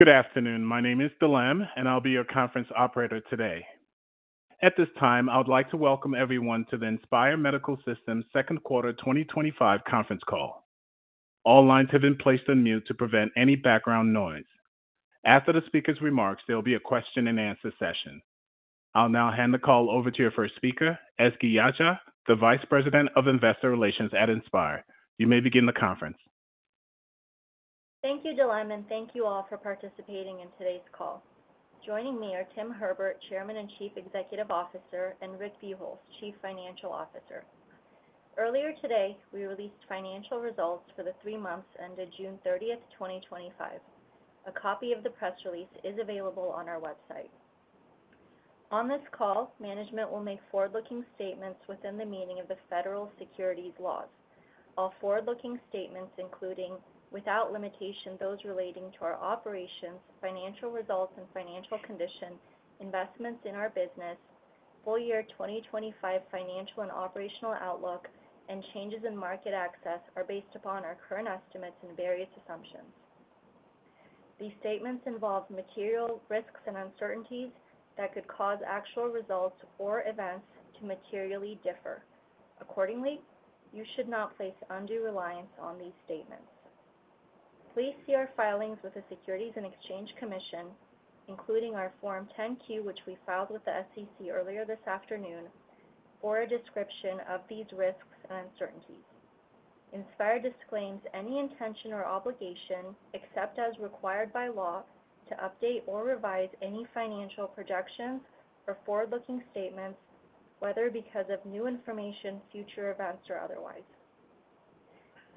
Good afternoon. My name is Dilem, and I'll be your conference operator today. At this time, I would like to welcome everyone to the Inspire Medical Systems Second Quarter 2025 Conference Call. All lines have been placed on mute to prevent any background noise. After the speaker's remarks, there will be a question-and-answer session. I'll now hand the call over to your first speaker, Ezgi Yagci, the Vice President of Investor Relations at Inspire. You may begin the conference. Thank you, Dilem, and thank you all for participating in today's call. Joining me are Tim Herbert, Chairman and Chief Executive Officer, and Rick Buchholz, Chief Financial Officer. Earlier today, we released financial results for the three months ended June 30th, 2025. A copy of the press release is available on our website. On this call, management will make forward-looking statements within the meaning of the federal securities laws. All forward-looking statements, including, without limitation, those relating to our operations, financial results, and financial condition, investments in our business, full-year 2025 financial and operational outlook, and changes in market access, are based upon our current estimates and various assumptions. These statements involve material risks and uncertainties that could cause actual results or events to materially differ. Accordingly, you should not place undue reliance on these statements. Please see our filings with the Securities and Exchange Commission, including our Form 10-Q, which we filed with the SEC earlier this afternoon, for a description of these risks and uncertainties. Inspire Medical Systems disclaims any intention or obligation, except as required by law, to update or revise any financial projections or forward-looking statements, whether because of new information, future events, or otherwise.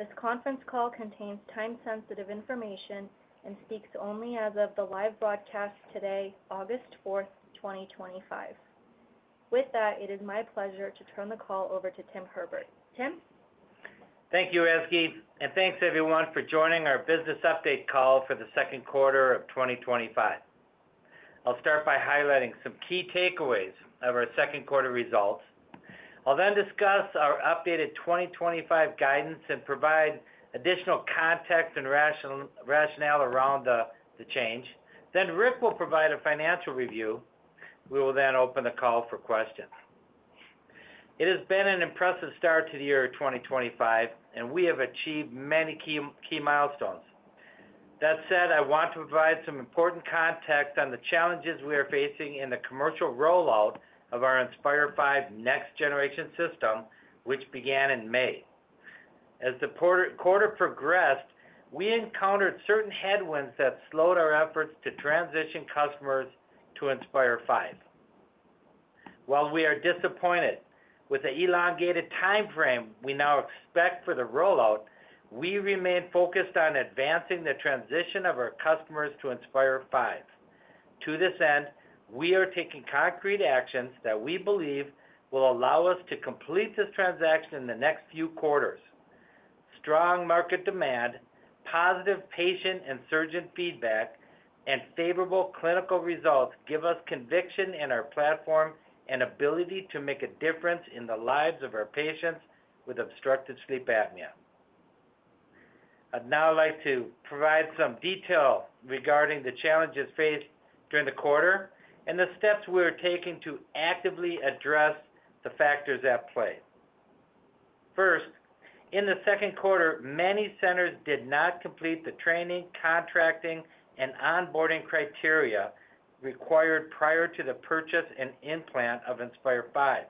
This conference call contains time-sensitive information and speaks only as of the live broadcast today, August 4th, 2025. With that, it is my pleasure to turn the call over to Tim Herbert. Tim? Thank you, Ezgi, and thanks everyone for joining our business update call for the second quarter of 2025. I'll start by highlighting some key takeaways of our second quarter results. I'll then discuss our updated 2025 guidance and provide additional context and rationale around the change. Then Rick will provide a financial review. We will then open the call for questions. It has been an impressive start to the year 2025, and we have achieved many key milestones. That said, I want to provide some important context on the challenges we are facing in the commercial rollout of our Inspire V next-generation system, which began in May. As the quarter progressed, we encountered certain headwinds that slowed our efforts to transition customers to Inspire V. While we are disappointed with the elongated timeframe we now expect for the rollout, we remain focused on advancing the transition of our customers to Inspire V. To this end, we are taking concrete actions that we believe will allow us to complete this transition in the next few quarters. Strong market demand, positive patient and surgeon feedback, and favorable clinical results give us conviction in our platform and ability to make a difference in the lives of our patients with obstructive sleep apnea. I'd now like to provide some detail regarding the challenges faced during the quarter and the steps we're taking to actively address the factors at play. First, in the second quarter, many centers did not complete the training, contracting, and onboarding criteria required prior to the purchase and implant of Inspire V.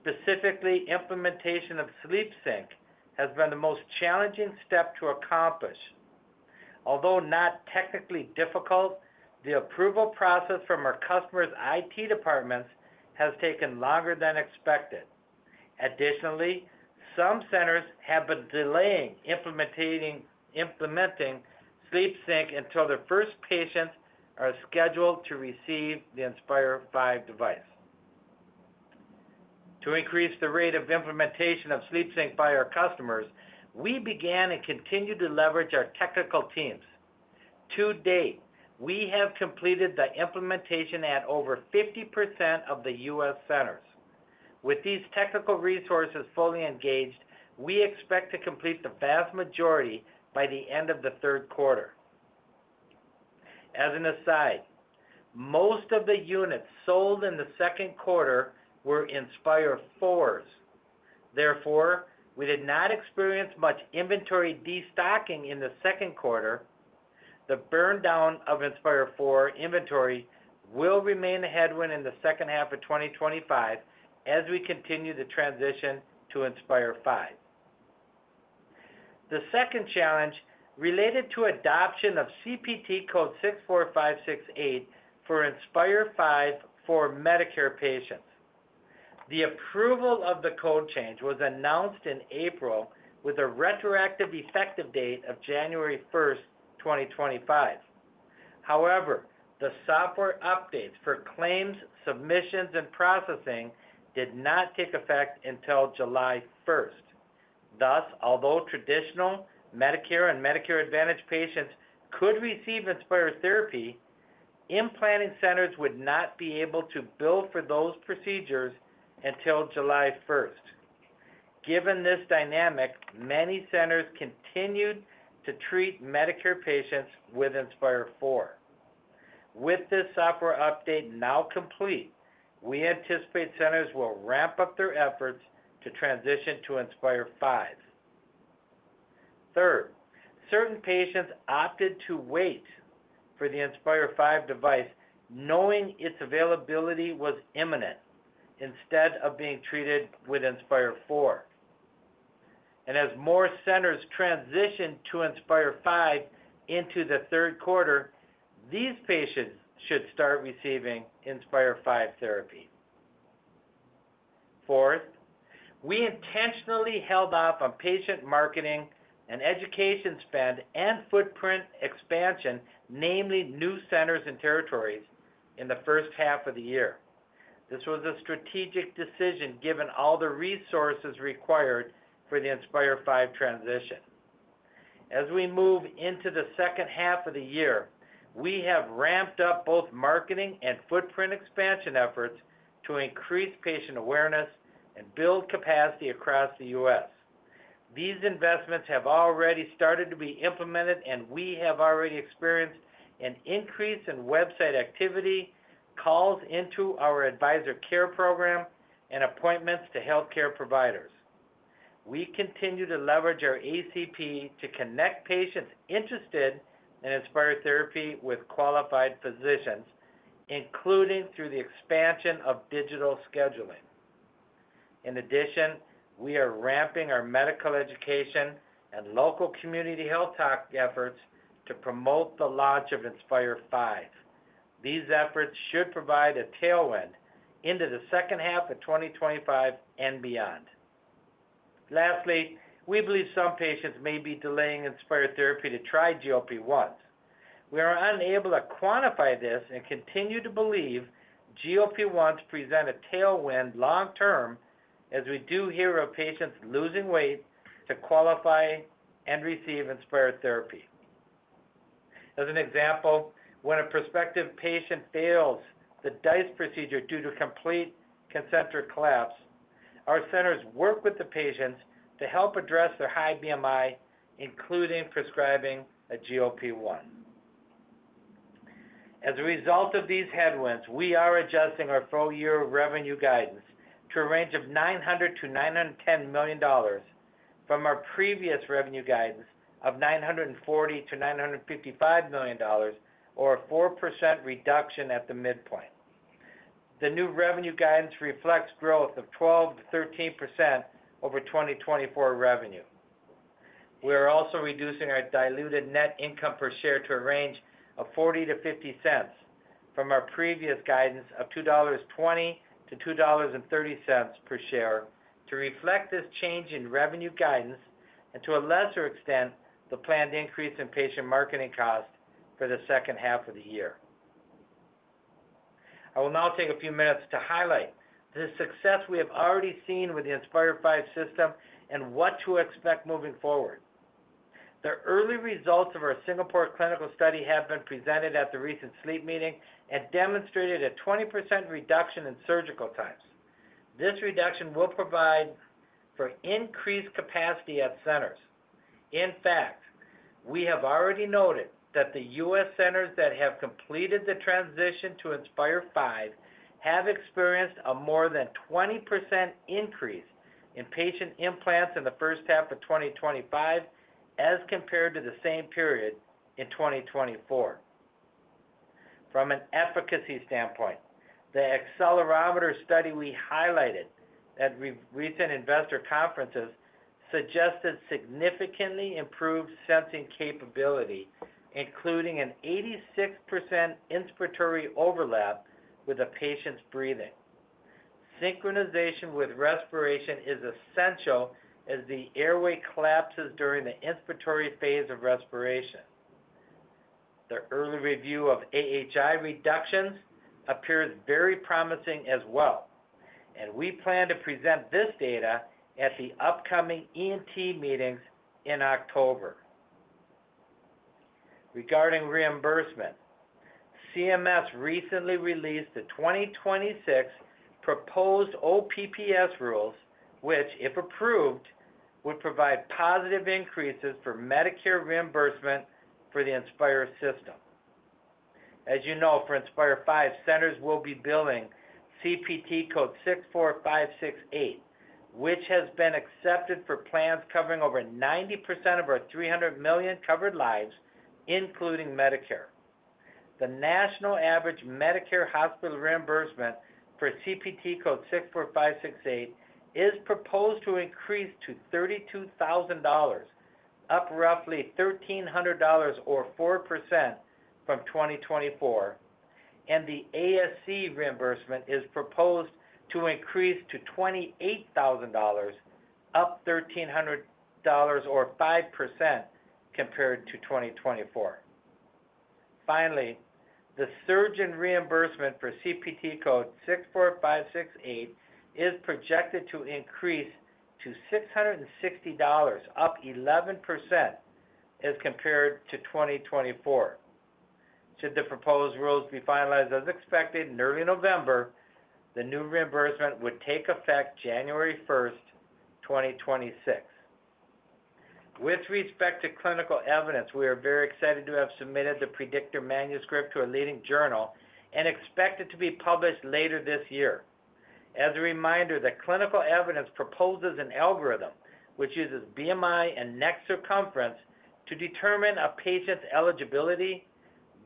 Specifically, implementation of SleepSync has been the most challenging step to accomplish. Although not technically difficult, the approval process from our customers' IT departments has taken longer than expected. Additionally, some centers have been delaying implementing SleepSync until their first patients are scheduled to receive the Inspire V device. To increase the rate of implementation of SleepSync by our customers, we began and continue to leverage our technical teams. To date, we have completed the implementation at over 50% of the U.S. centers. With these technical resources fully engaged, we expect to complete the vast majority by the end of the third quarter. As an aside, most of the units sold in the second quarter were Inspire IVs. Therefore, we did not experience much inventory destocking in the second quarter. The burn-down of Inspire IV inventory will remain a headwind in the second half of 2025 as we continue the transition to Inspire V. The second challenge related to adoption of CPT Code 64568 for Inspire V for Medicare patients. The approval of the code change was announced in April with a retroactive effective date of January 1st, 2025. However, the software updates for claims, submissions, and processing did not take effect until July 1st. Thus, although traditional Medicare and Medicare Advantage patients could receive Inspire therapy, implanting centers would not be able to bill for those procedures until July 1st. Given this dynamic, many centers continued to treat Medicare patients with Inspire IV. With this software update now complete, we anticipate centers will ramp up their efforts to transition to Inspire V. Third, certain patients opted to wait for the Inspire V device, knowing its availability was imminent, instead of being treated with Inspire IV. As more centers transition to Inspire V into the third quarter, these patients should start receiving Inspire V therapy. Fourth, we intentionally held off on patient marketing and education spend and footprint expansion, namely new centers and territories, in the first half of the year. This was a strategic decision given all the resources required for the Inspire V transition. As we move into the second half of the year, we have ramped up both marketing and footprint expansion efforts to increase patient awareness and build capacity across the U.S. These investments have already started to be implemented, and we have already experienced an increase in website activity, calls into our advisor care program, and appointments to healthcare providers. We continue to leverage our ACP to connect patients interested in Inspire therapy with qualified physicians, including through the expansion of digital scheduling. In addition, we are ramping our medical education and local community health talk efforts to promote the launch of Inspire V. These efforts should provide a tailwind into the second half of 2025 and beyond. Lastly, we believe some patients may be delaying Inspire therapy to try GLP-1 therapies. We are unable to quantify this and continue to believe GLP-1 therapies present a tailwind long-term, as we do hear of patients losing weight to qualify and receive Inspire therapy. As an example, when a prospective patient fails the DICE procedure due to complete concentric collapse, our centers work with the patients to help address their high BMI, including prescribing a GLP-1. As a result of these headwinds, we are adjusting our full-year revenue guidance to a range of $900 million-$910 million from our previous revenue guidance of $940 million-$955 million, or a 4% reduction at the midpoint. The new revenue guidance reflects growth of 12% -13% over 2024 revenue. We are also reducing our diluted net income per share to a range of $0.40-$0.50 from our previous guidance of $2.20-$2.30 per share to reflect this change in revenue guidance and, to a lesser extent, the planned increase in patient marketing costs for the second half of the year. I will now take a few minutes to highlight the success we have already seen with the Inspire V system and what to expect moving forward. The early results of our Singapore clinical study have been presented at the recent sleep meeting and demonstrated a 20% reduction in surgical times. This reduction will provide for increased capacity at centers. In fact, we have already noted that the U.S. centers that have completed the transition to Inspire V have experienced a more than 20% increase in patient implants in the first half of 2025 as compared to the same period in 2024. From an efficacy standpoint, the accelerometer study we highlighted at recent investor conferences suggested significantly improved sensing capability, including an 86% inspiratory overlap with a patient's breathing. Synchronization with respiration is essential as the airway collapses during the inspiratory phase of respiration. The early review of AHI reductions appears very promising as well, and we plan to present this data at the upcoming ENT meetings in October. Regarding reimbursement, CMS recently released the 2026 proposed OPPS rules, which, if approved, would provide positive increases for Medicare reimbursement for the Inspire system. As you know, for Inspire V, centers will be billing CPT Code 64568, which has been accepted for plans covering over 90% of our 300 million covered lives, including Medicare. The national average Medicare hospital reimbursement for CPT Code 64568 is proposed to increase to $32,000, up roughly $1,300 or 4% from 2024, and the ASC reimbursement is proposed to increase to $28,000, up $1,300 or 5% compared to 2024. Finally, the surgeon reimbursement for CPT Code 64568 is projected to increase to $660, up 11% as compared to 2024. Should the proposed rules be finalized as expected in early November, the new reimbursement would take effect January 1st, 2026. With respect to clinical evidence, we are very excited to have submitted the predictor manuscript to a leading journal and expect it to be published later this year. As a reminder, the clinical evidence proposes an algorithm which uses BMI and neck circumference to determine a patient's eligibility,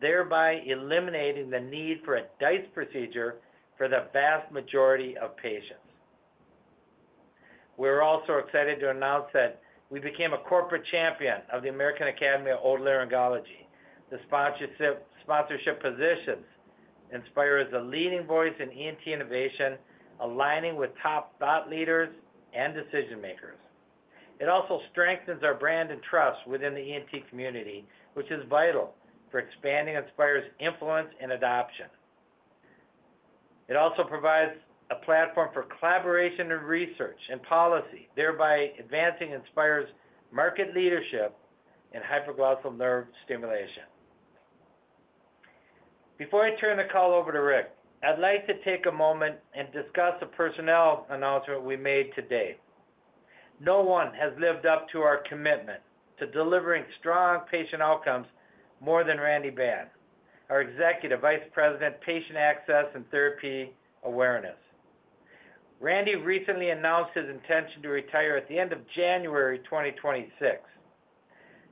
thereby eliminating the need for a DICE procedure for the vast majority of patients. We're also excited to announce that we became a corporate champion of the American Academy of Otolaryngology. The sponsorship positions Inspire as a leading voice in ENT innovation, aligning with top thought leaders and decision makers. It also strengthens our brand and trust within the ENT community, which is vital for expanding Inspire's influence and adoption. It also provides a platform for collaboration in research and policy, thereby advancing Inspire's market leadership in hypoglossal nerve stimulation. Before I turn the call over to Rick, I'd like to take a moment and discuss the personnel announcement we made today. No one has lived up to our commitment to delivering strong patient outcomes more than Randy Ban, our Executive Vice President, Patient Access and Therapy Awareness. Randy recently announced his intention to retire at the end of January 2026.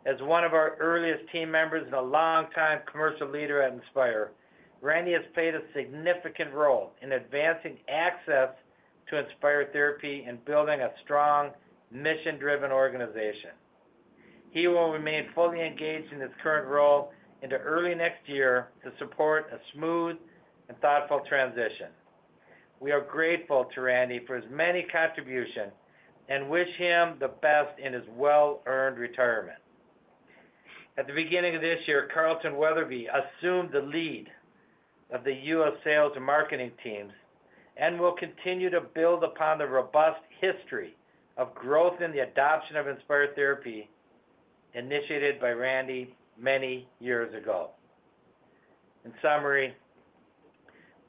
As one of our earliest team members and a long-time commercial leader at Inspire, Randy has played a significant role in advancing access to Inspire therapy and building a strong, mission-driven organization. He will remain fully engaged in his current role into early next year to support a smooth and thoughtful transition. We are grateful to Randy for his many contributions and wish him the best in his well-earned retirement. At the beginning of this year, Carlton Weatherby assumed the lead of the U.S. sales and marketing teams and will continue to build upon the robust history of growth in the adoption of Inspire therapy initiated by Randy many years ago. In summary,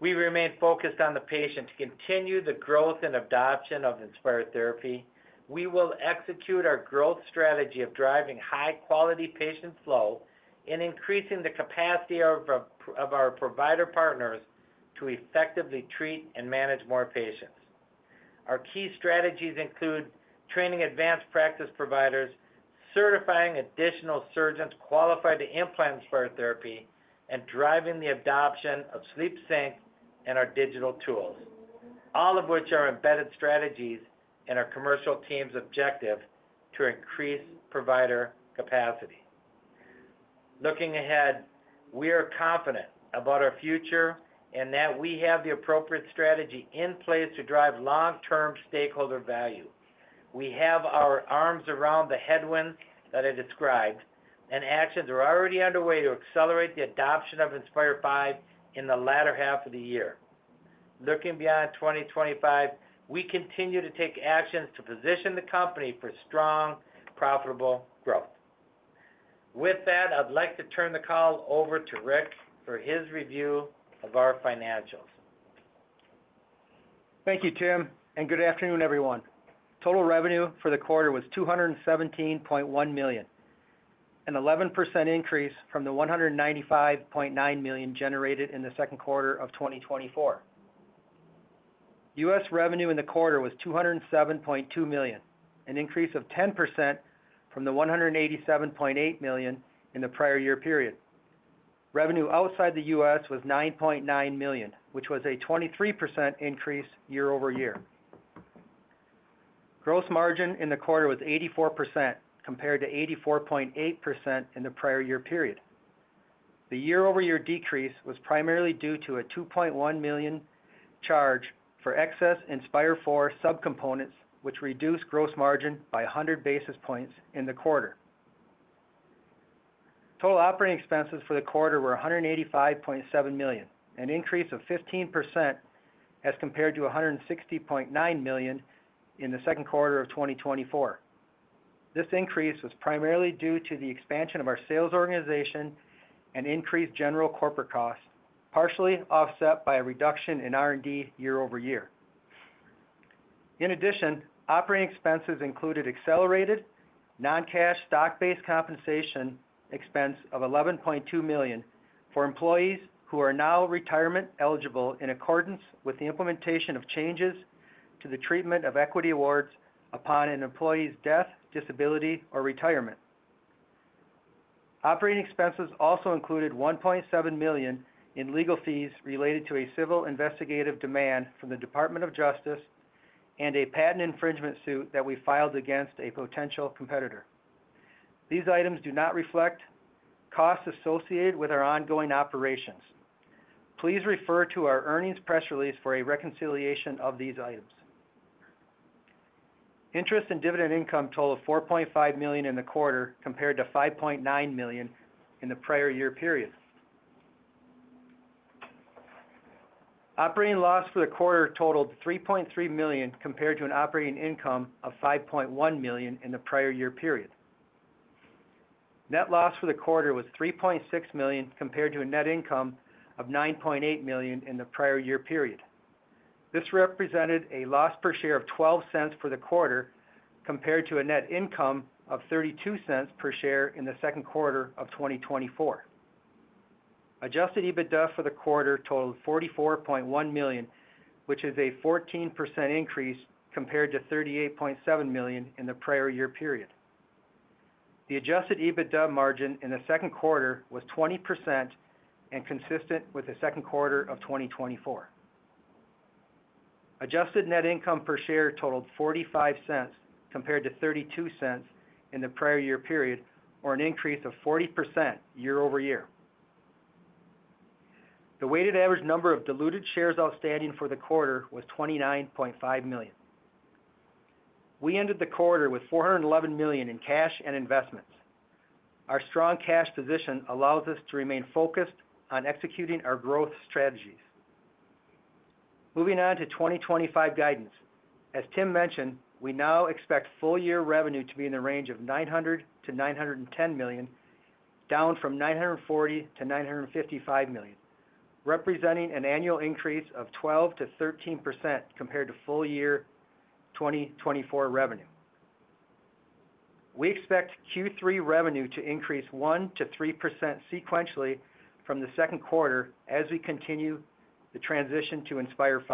we remain focused on the patient to continue the growth and adoption of Inspire therapy. We will execute our growth strategy of driving high-quality patient flow and increasing the capacity of our provider partners to effectively treat and manage more patients. Our key strategies include training advanced practice providers, certifying additional surgeons qualified to implant Inspire therapy, and driving the adoption of SleepSync and our digital tools, all of which are embedded strategies in our commercial team's objective to increase provider capacity. Looking ahead, we are confident about our future and that we have the appropriate strategy in place to drive long-term stakeholder value. We have our arms around the headwind that I described, and actions are already underway to accelerate the adoption of Inspire V in the latter half of the year. Looking beyond 2025, we continue to take actions to position the company for strong, profitable growth. With that, I'd like to turn the call over to Rick for his review of our financials. Thank you, Tim, and good afternoon, everyone. Total revenue for the quarter was $217.1 million, an 11% increase from the $195.9 million generated in the second quarter of 2024. U.S. revenue in the quarter was $207.2 million, an increase of 10% from the $187.8 million in the prior year period. Revenue outside the U.S. was $9.9 million, which was a 23% increase year-over-year. Gross margin in the quarter was 84% compared to 84.8% in the prior year period. The year-over-year decrease was primarily due to a $2.1 million charge for excess Inspire IV subcomponents, which reduced gross margin by 100 basis points in the quarter. Total operating expenses for the quarter were $185.7 million, an increase of 15% as compared to $160.9 million in the second quarter of 2024. This increase was primarily due to the expansion of our sales organization and increased general corporate costs, partially offset by a reduction in R&D year-over-year. In addition, operating expenses included accelerated non-cash stock-based compensation expense of $11.2 million for employees who are now retirement eligible in accordance with the implementation of changes to the treatment of equity awards upon an employee's death, disability, or retirement. Operating expenses also included $1.7 million in legal fees related to a civil investigative demand from the Department of Justice and a patent infringement suit that we filed against a potential competitor. These items do not reflect costs associated with our ongoing operations. Please refer to our earnings press release for a reconciliation of these items. Interest and dividend income totaled $4.5 million in the quarter compared to $5.9 million in the prior year period. Operating loss for the quarter totaled $3.3 million compared to an operating income of $5.1 million in the prior year period. Net loss for the quarter was $3.6 million compared to a net income of $9.8 million in the prior year period. This represented a loss per share of $0.12 for the quarter compared to a net income of $0.32 per share in the second quarter of 2024. Adjusted EBITDA for the quarter totaled $44.1 million, which is a 14% increase compared to $38.7 million in the prior year period. The adjusted EBITDA margin in the second quarter was 20% and consistent with the second quarter of 2024. Adjusted net income per share totaled $0.45 compared to $0.32 in the prior year period, or an increase of 40% year-over-year. The weighted average number of diluted shares outstanding for the quarter was $29.5 million. We ended the quarter with $411 million in cash and investments. Our strong cash position allows us to remain focused on executing our growth strategies. Moving on to 2025 guidance. As Tim mentioned, we now expect full-year revenue to be in the range of $900 million-$910 million, down from $940 million-$955 million, representing an annual increase of 12%-13% compared to full-year 2024 revenue. We expect Q3 revenue to increase 1%-3% sequentially from the second quarter as we continue the transition to Inspire V.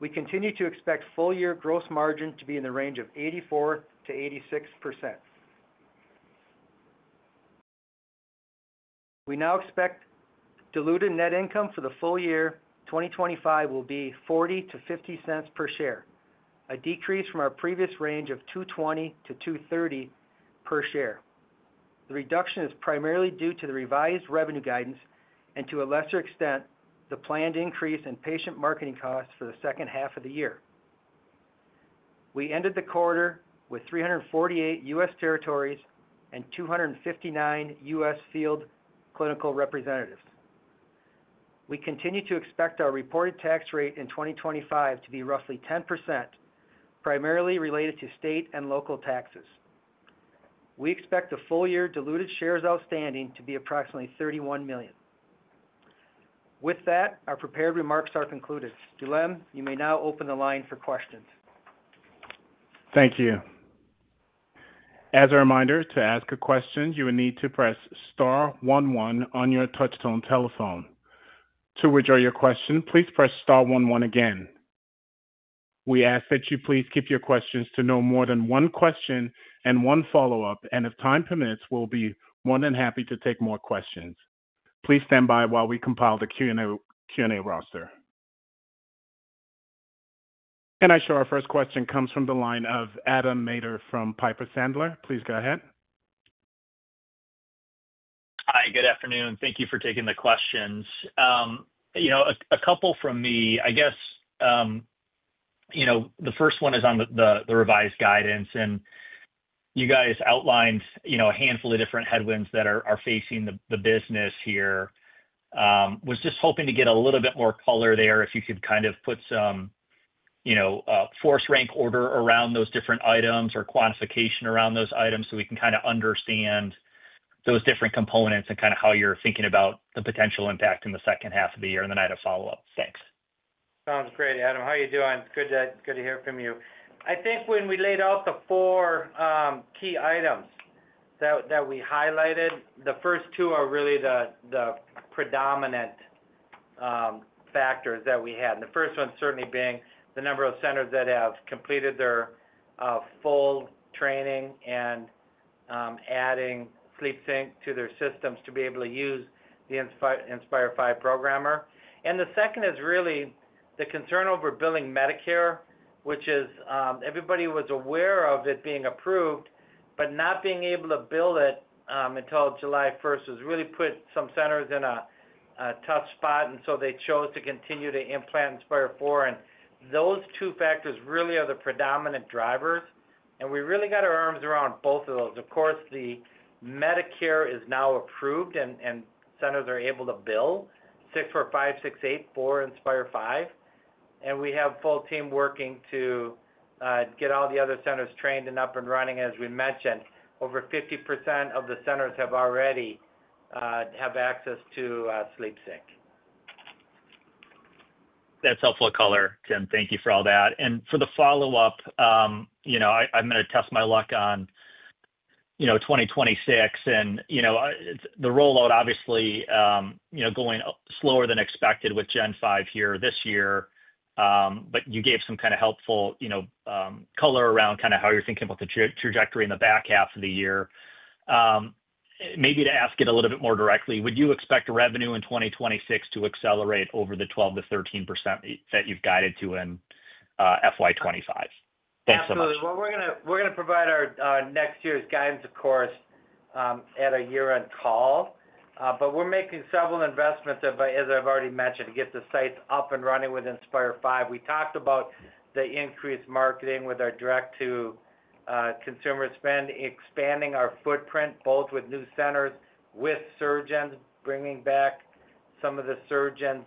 We continue to expect full-year gross margin to be in the range of 84%-86%. We now expect diluted net income for the full year 2025 will be $0.40-$0.50 per share, a decrease from our previous range of $2.20-$2.30 per share. The reduction is primarily due to the revised revenue guidance and, to a lesser extent, the planned increase in patient marketing costs for the second half of the year. We ended the quarter with 348 U.S. territories and 259 U.S. field clinical representatives. We continue to expect our reported tax rate in 2025 to be roughly 10%, primarily related to state and local taxes. We expect the full-year diluted shares outstanding to be approximately 31 million. With that, our prepared remarks are concluded. Dilem, you may now open the line for questions. Thank you. As a reminder, to ask a question, you will need to press star one one on your touch-tone telephone. To withdraw your question, please press star one one again. We ask that you please keep your questions to no more than one question and one follow-up. If time permits, we'll be more than happy to take more questions. Please stand by while we compile the Q&A roster. I show our first question comes from the line of Adam Maeder from Piper Sandler. Please go ahead. Hi, good afternoon. Thank you for taking the questions. A couple from me. The first one is on the revised guidance, and you guys outlined a handful of different headwinds that are facing the business here. I was just hoping to get a little bit more color there if you could kind of put some force rank order around those different items or quantification around those items so we can kind of understand those different components and how you're thinking about the potential impact in the second half of the year and the night of follow-up. Thanks. Sounds great, Adam. How are you doing? Good to hear from you. I think when we laid out the four key items that we highlighted, the first two are really the predominant factors that we had. The first one certainly being the number of centers that have completed their full training and adding SleepSync to their systems to be able to use the Inspire V programmer. The second is really the concern over billing Medicare, which is everybody was aware of it being approved, but not being able to bill it until July 1st has really put some centers in a tough spot, and they chose to continue to implant Inspire IV. Those two factors really are the predominant drivers, and we really got our arms around both of those. Of course, the Medicare is now approved, and centers are able to bill CPT Code 64568 for Inspire V, and we have a full team working to get all the other centers trained and up and running. As we mentioned, over 50% of the centers have already had access to SleepSync. That's helpful to color, Tim. Thank you for all that. For the follow-up, I'm going to test my luck on 2026, and the rollout obviously going slower than expected with Gen 5 here this year. You gave some kind of helpful color around kind of how you're thinking about the trajectory in the back half of the year. Maybe to ask it a little bit more directly, would you expect revenue in 2026 to accelerate over the 12%-13% that you've guided to in FY 2025? Absolutely. We are going to provide our next year's guidance, of course, at our year-end call. We are making several investments, as I've already mentioned, to get the sites up and running with Inspire V. We talked about the increased marketing with our direct-to-consumer spend, expanding our footprint both with new centers, with surgeons bringing back some of the surgeons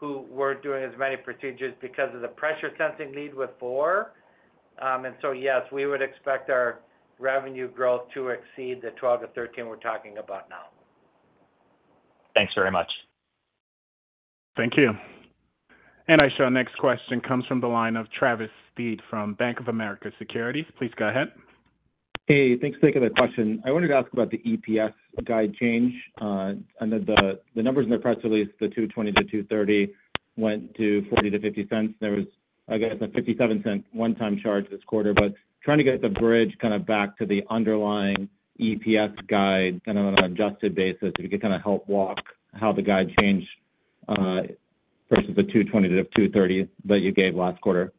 who weren't doing as many procedures because of the pressure sensing lead with Inspire IV. Yes, we would expect our revenue growth to exceed the 12%-13% we're talking about now. Thanks very much. Thank you. I show our next question comes from the line of Travis Steed from Bank of America Securities. Please go ahead. Hey, thanks for taking the question. I wanted to ask about the EPS guide change. I know the numbers in the press release, the $220-$230, went to $0.40-$0.50. There was, I guess, a $0.57 one-time charge this quarter, but trying to get the bridge kind of back to the underlying EPS guide and on an adjusted basis, if you could kind of help walk how the guide changed versus the $220-$230 that you gave last quarter.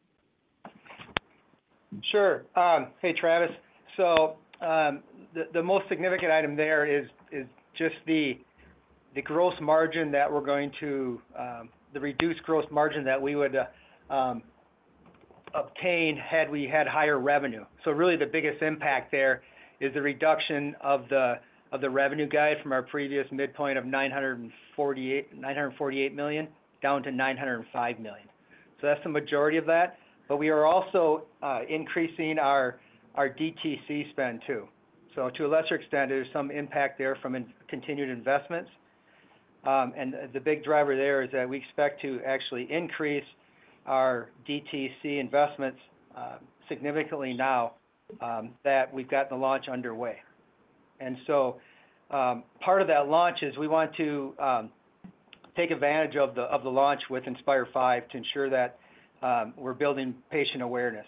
Sure. Hey, Travis. The most significant item there is just the gross margin that we're going to, the reduced gross margin that we would obtain had we had higher revenue. Really, the biggest impact there is the reduction of the revenue guide from our previous midpoint of $948 million down to $905 million. That's the majority of that. We are also increasing our DTC spend too. To a lesser extent, there's some impact there from continued investments. The big driver there is that we expect to actually increase our DTC investments significantly now that we've gotten the launch underway. Part of that launch is we want to take advantage of the launch with Inspire V to ensure that we're building patient awareness.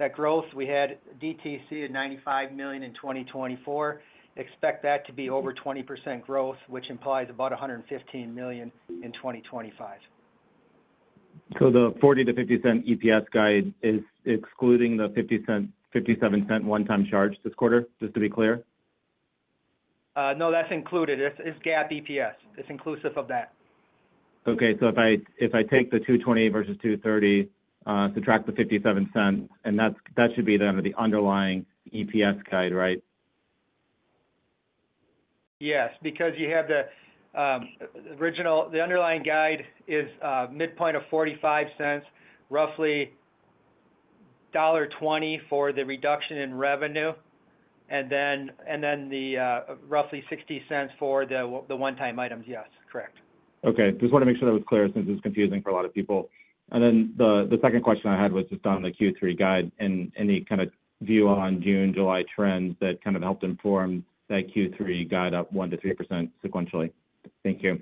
That growth, we had DTC at $95 million in 2024. Expect that to be over 20% growth, which implies about $115 million in 2025. The $0.40-$0.50 EPS guide is excluding the $0.50-$0.57 one-time charge this quarter, just to be clear? No, that's included. It's GAAP EPS. It's inclusive of that. Okay. If I take the $220 versus $230, subtract the $0.57, that should be the underlying EPS guide, right? Yes, because you have the original, the underlying guide is a midpoint of $0.45, roughly $1.20 for the reduction in revenue, and then the roughly $0.60 for the one-time items. Yes, correct. Okay. Just want to make sure that was clear since it's confusing for a lot of people. The second question I had was just on the Q3 guide and any kind of view on June/July trends that kind of helped inform that Q3 guide up 1%-3% sequentially. Thank you.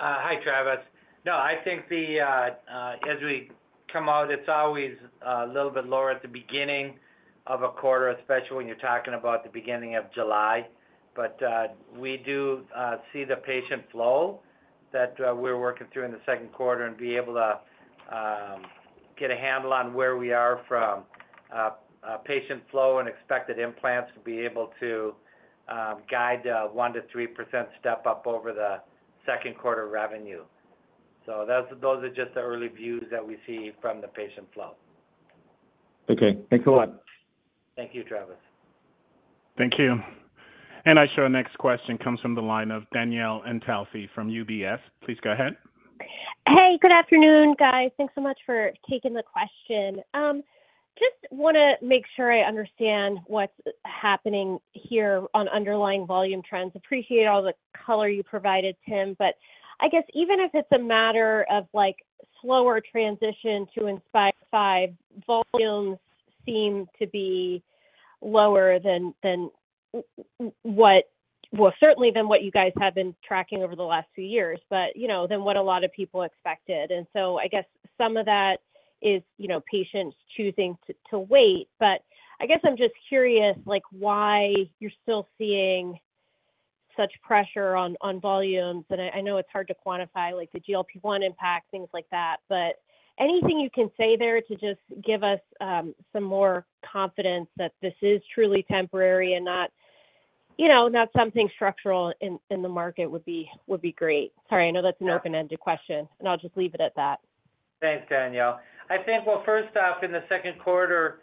Hi, Travis. No, I think as we come out, it's always a little bit lower at the beginning of a quarter, especially when you're talking about the beginning of July. We do see the patient flow that we're working through in the second quarter and be able to get a handle on where we are from patient flow and expected implants to be able to guide a 1%-3% step up over the second quarter revenue. Those are just the early views that we see from the patient flow. Okay, thanks a lot. Thank you, Travis. Thank you. I show our next question comes from the line of Danielle Antalffy from UBS. Please go ahead. Hey, good afternoon, guys. Thanks so much for taking the question. I just want to make sure I understand what's happening here on underlying volume trends. Appreciate all the color you provided, Tim. I guess even if it's a matter of like slower transition to Inspire V, volumes seem to be lower than what, certainly than what you guys have been tracking over the last few years, but you know, than what a lot of people expected. I guess some of that is, you know, patients choosing to wait. I guess I'm just curious, like why you're still seeing such pressure on volumes? I know it's hard to quantify like the GLP-1 impact, things like that. Anything you can say there to just give us some more confidence that this is truly temporary and not, you know, not something structural in the market would be great. Sorry, I know that's an open-ended question, and I'll just leave it at that. Thanks, Danielle. First off, in the second quarter,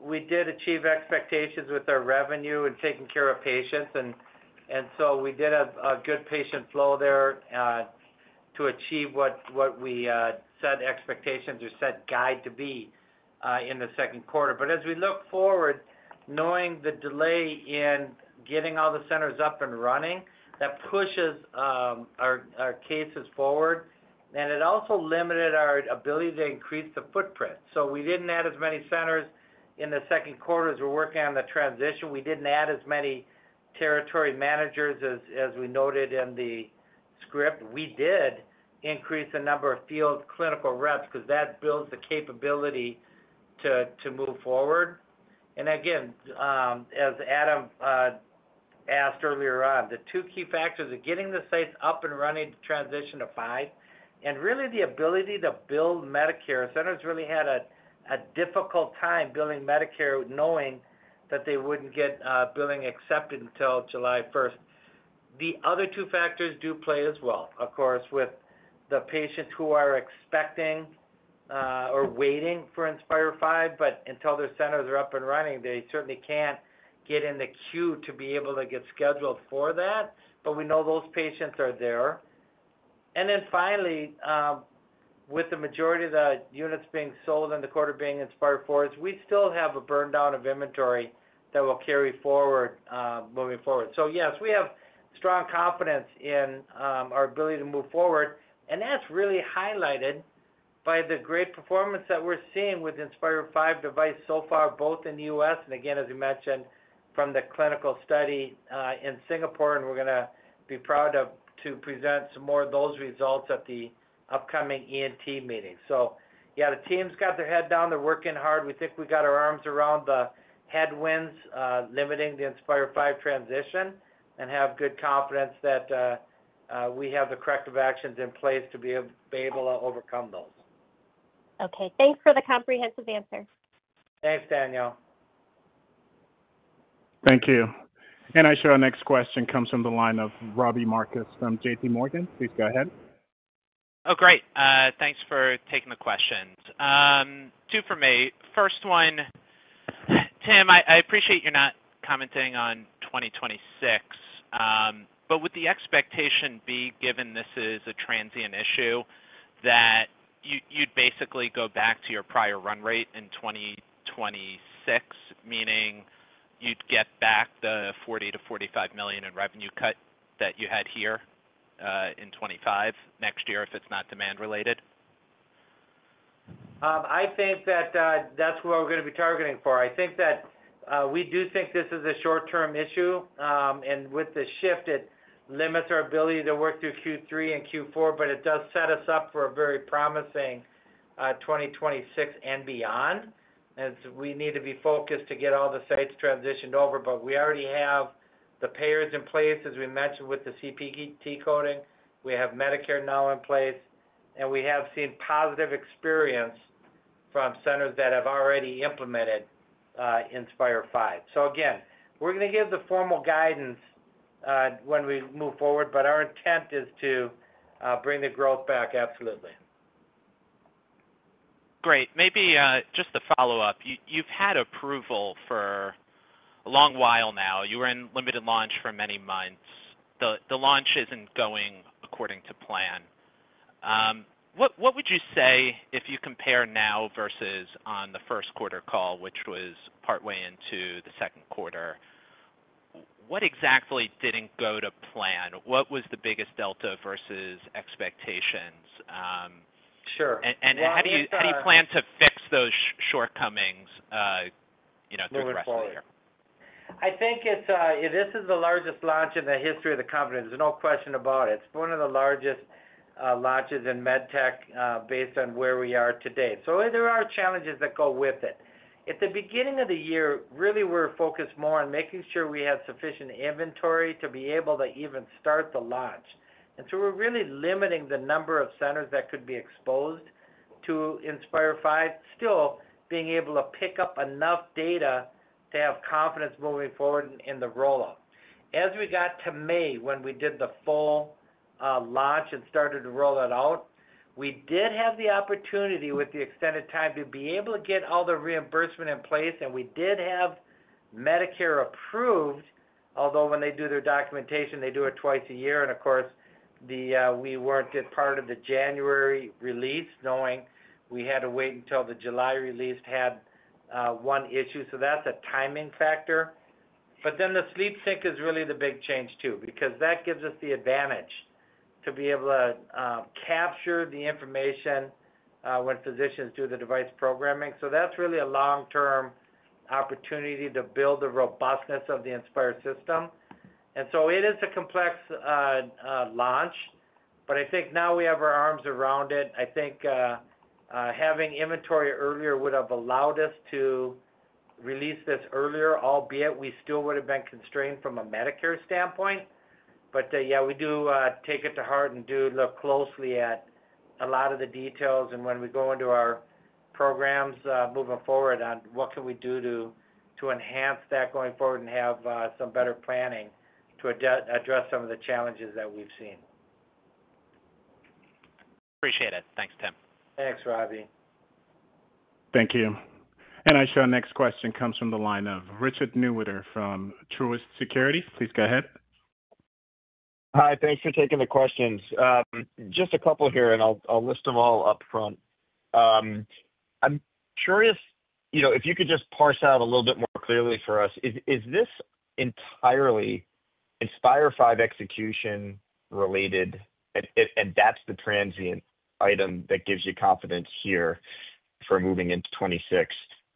we did achieve expectations with our revenue and taking care of patients. We did have a good patient flow there to achieve what we set expectations or set guide to be in the second quarter. As we look forward, knowing the delay in getting all the centers up and running, that pushes our cases forward. It also limited our ability to increase the footprint. We didn't add as many centers in the second quarter as we were working on the transition. We didn't add as many territory managers as we noted in the script. We did increase the number of field clinical reps because that builds the capability to move forward. As Adam asked earlier on, the two key factors are getting the sites up and running to transition to Inspire V and really the ability to bill Medicare. Centers really had a difficult time billing Medicare, knowing that they wouldn't get billing accepted until July 1st. The other two factors do play as well, of course, with the patients who are expecting or waiting for Inspire V. Until their centers are up and running, they certainly can't get in the queue to be able to get scheduled for that. We know those patients are there. Finally, with the majority of the units being sold in the quarter being Inspire IV, we still have a burndown of inventory that will carry forward, moving forward. We have strong confidence in our ability to move forward. That's really highlighted by the great performance that we're seeing with the Inspire V device so far, both in the U.S. and, as we mentioned, from the clinical study in Singapore. We're going to be proud to present some more of those results at the upcoming ENT meeting. The team's got their head down. They're working hard. We think we got our arms around the headwinds limiting the Inspire V transition and have good confidence that we have the corrective actions in place to be able to overcome those. Okay, thanks for the comprehensive answer. Thanks, Danielle. Thank you. I show our next question comes from the line of Robbie Marcus from JPMorgan. Please go ahead. Oh, great. Thanks for taking the questions. Two for me. First one, Tim, I appreciate you're not commenting on 2026. Would the expectation be, given this is a transient issue, that you'd basically go back to your prior run rate in 2026, meaning you'd get back the $40 million-$45 million in revenue cut that you had here, in 2025 next year if it's not demand-related? I think that's what we're going to be targeting for. I think that we do think this is a short-term issue, and with the shift, it limits our ability to work through Q3 and Q4, but it does set us up for a very promising 2026 and beyond as we need to be focused to get all the sites transitioned over. We already have the payers in place, as we mentioned, with the CPT Code. We have Medicare reimbursement now in place, and we have seen positive experience from centers that have already implemented Inspire V. Again, we're going to give the formal guidance when we move forward, but our intent is to bring the growth back. Absolutely. Great. Maybe, just to follow up, you've had approval for a long while now. You were in limited launch for many months. The launch isn't going according to plan. What would you say if you compare now versus on the first quarter call, which was partway into the second quarter? What exactly didn't go to plan? What was the biggest delta versus expectations? Sure. How do you plan to fix those shortcomings through the rest of the year? I think it's, this is the largest launch in the history of the company. There's no question about it. It's one of the largest launches in medtech, based on where we are today. There are challenges that go with it. At the beginning of the year, really, we're focused more on making sure we had sufficient inventory to be able to even start the launch. We're really limiting the number of centers that could be exposed to Inspire V, still being able to pick up enough data to have confidence moving forward in the rollout. As we got to May, when we did the full launch and started to roll it out, we did have the opportunity with the extended time to be able to get all the reimbursement in place. We did have Medicare approved, although when they do their documentation, they do it twice a year. Of course, we weren't part of the January release, knowing we had to wait until the July release had one issue. That's a timing factor. The SleepSync is really the big change too because that gives us the advantage to be able to capture the information when physicians do the device programming. That's really a long-term opportunity to build the robustness of the Inspire system. It is a complex launch. I think now we have our arms around it. I think having inventory earlier would have allowed us to release this earlier, albeit we still would have been constrained from a Medicare standpoint. We do take it to heart and do look closely at a lot of the details. When we go into our programs, moving forward on what can we do to enhance that going forward and have some better planning to address some of the challenges that we've seen. Appreciate it. Thanks, Tim. Thanks, Robbie. Thank you. I show our next question comes from the line of Richard Newitter from Truist Securities. Please go ahead. Hi, thanks for taking the questions. Just a couple here, and I'll list them all up front. I'm curious, you know, if you could just parse out a little bit more clearly for us, is this entirely Inspire V execution related? And that's the transient item that gives you confidence here for moving into 2026.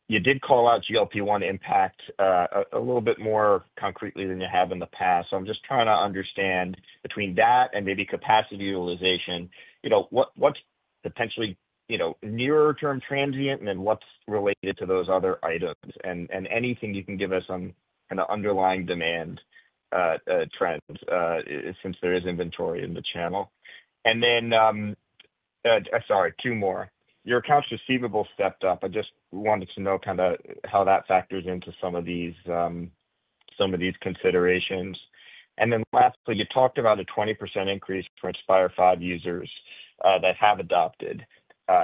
You did call out GLP-1 impact, a little bit more concretely than you have in the past. I'm just trying to understand between that and maybe capacity utilization, you know, what's potentially, you know, nearer term transient, and then what's related to those other items? Anything you can give us on kind of underlying demand, trends, since there is inventory in the channel. Sorry, two more. Your accounts receivable stepped up. I just wanted to know kind of how that factors into some of these, some of these considerations. Lastly, you talked about a 20% increase for Inspire V users that have adopted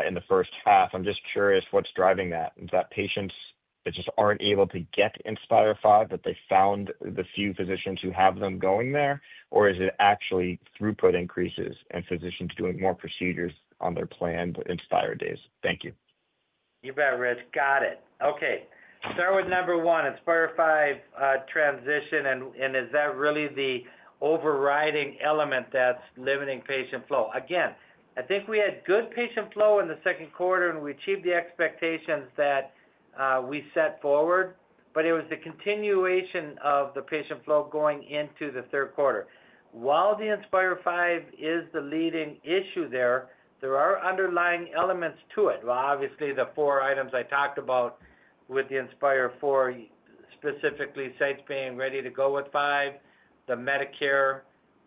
in the first half. I'm just curious what's driving that. Is that patients that just aren't able to get Inspire V that they found the few physicians who have them going there, or is it actually throughput increases and physicians doing more procedures on their planned Inspire days? Thank you. You bet, Rick. Got it. Okay. Start with number one, Inspire V, transition. Is that really the overriding element that's limiting patient flow? I think we had good patient flow in the second quarter, and we achieved the expectations that we set forward. It was the continuation of the patient flow going into the third quarter. While the Inspire V is the leading issue there, there are underlying elements to it. Obviously, the four items I talked about with the Inspire IV, specifically sites being ready to go with V, the Medicare,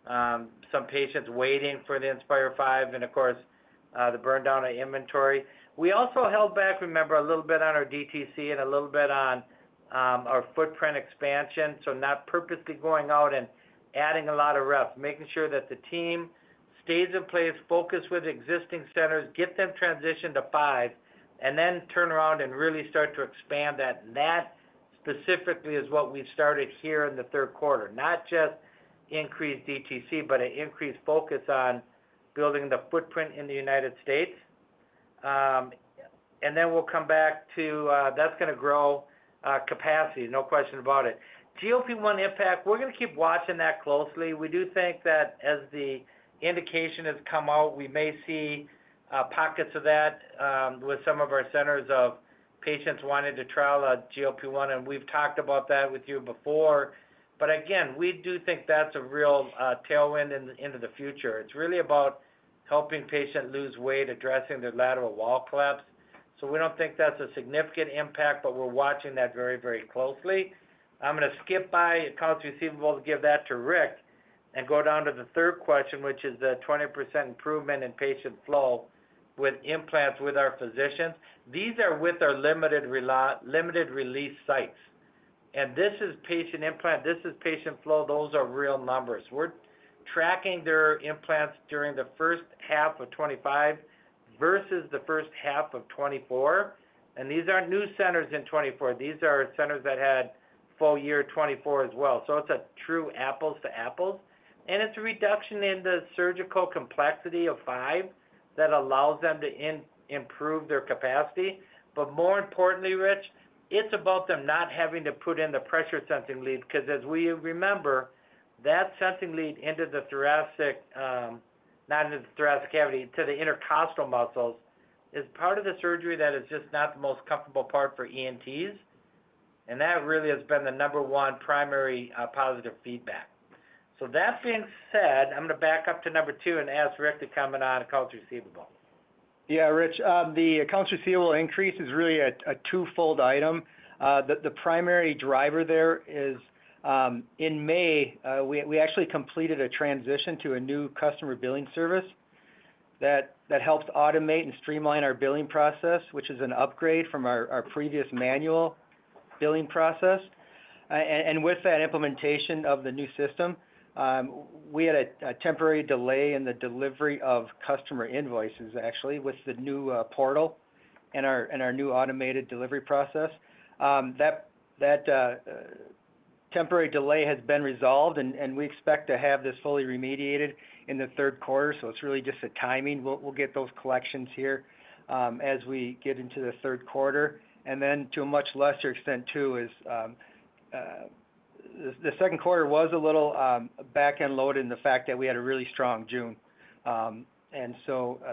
some patients waiting for the Inspire V, and of course, the burndown of inventory. We also held back, remember, a little bit on our DTC and a little bit on our footprint expansion. Not purposely going out and adding a lot of reps, making sure that the team stays in place, focus with existing centers, get them transitioned to V, and then turn around and really start to expand that. That specifically is what we started here in the third quarter, not just increase DTC, but an increased focus on building the footprint in the U.S. We'll come back to, that's going to grow, capacity. No question about it. GLP-1 impact, we're going to keep watching that closely. We do think that as the indication has come out, we may see pockets of that, with some of our centers of patients wanting to trial a GLP-1. We've talked about that with you before. We do think that's a real tailwind into the future. It's really about helping patients lose weight, addressing their lateral wall collapse. We don't think that's a significant impact, but we're watching that very, very closely. I'm going to skip by accounts receivable to give that to Rick and go down to the third question, which is the 20% improvement in patient flow with implants with our physicians. These are with our limited release sites. This is patient implant. This is patient flow. Those are real numbers. We're tracking their implants during the first half of 2025 versus the first half of 2024. These aren't new centers in 2024. These are centers that had full year 2024 as well. It's a true apples to apples. It's a reduction in the surgical complexity of V that allows them to improve their capacity. More importantly, Rich, it's about them not having to put in the pressure sensing lead because, as we remember, that sensing lead into the thoracic, not into the thoracic cavity, to the intercostal muscles is part of the surgery that is just not the most comfortable part for ENTs. That really has been the number one primary, positive feedback. That being said, I'm going to back up to number two and ask Rick to comment on accounts receivable. Yeah, Rich. The accounts receivable increase is really a twofold item. The primary driver there is, in May, we actually completed a transition to a new customer billing service that helps automate and streamline our billing process, which is an upgrade from our previous manual billing process. With that implementation of the new system, we had a temporary delay in the delivery of customer invoices, actually, with the new portal and our new automated delivery process. That temporary delay has been resolved, and we expect to have this fully remediated in the third quarter. It's really just a timing. We'll get those collections here, as we get into the third quarter. To a much lesser extent, too, the second quarter was a little back-end loaded in the fact that we had a really strong June, and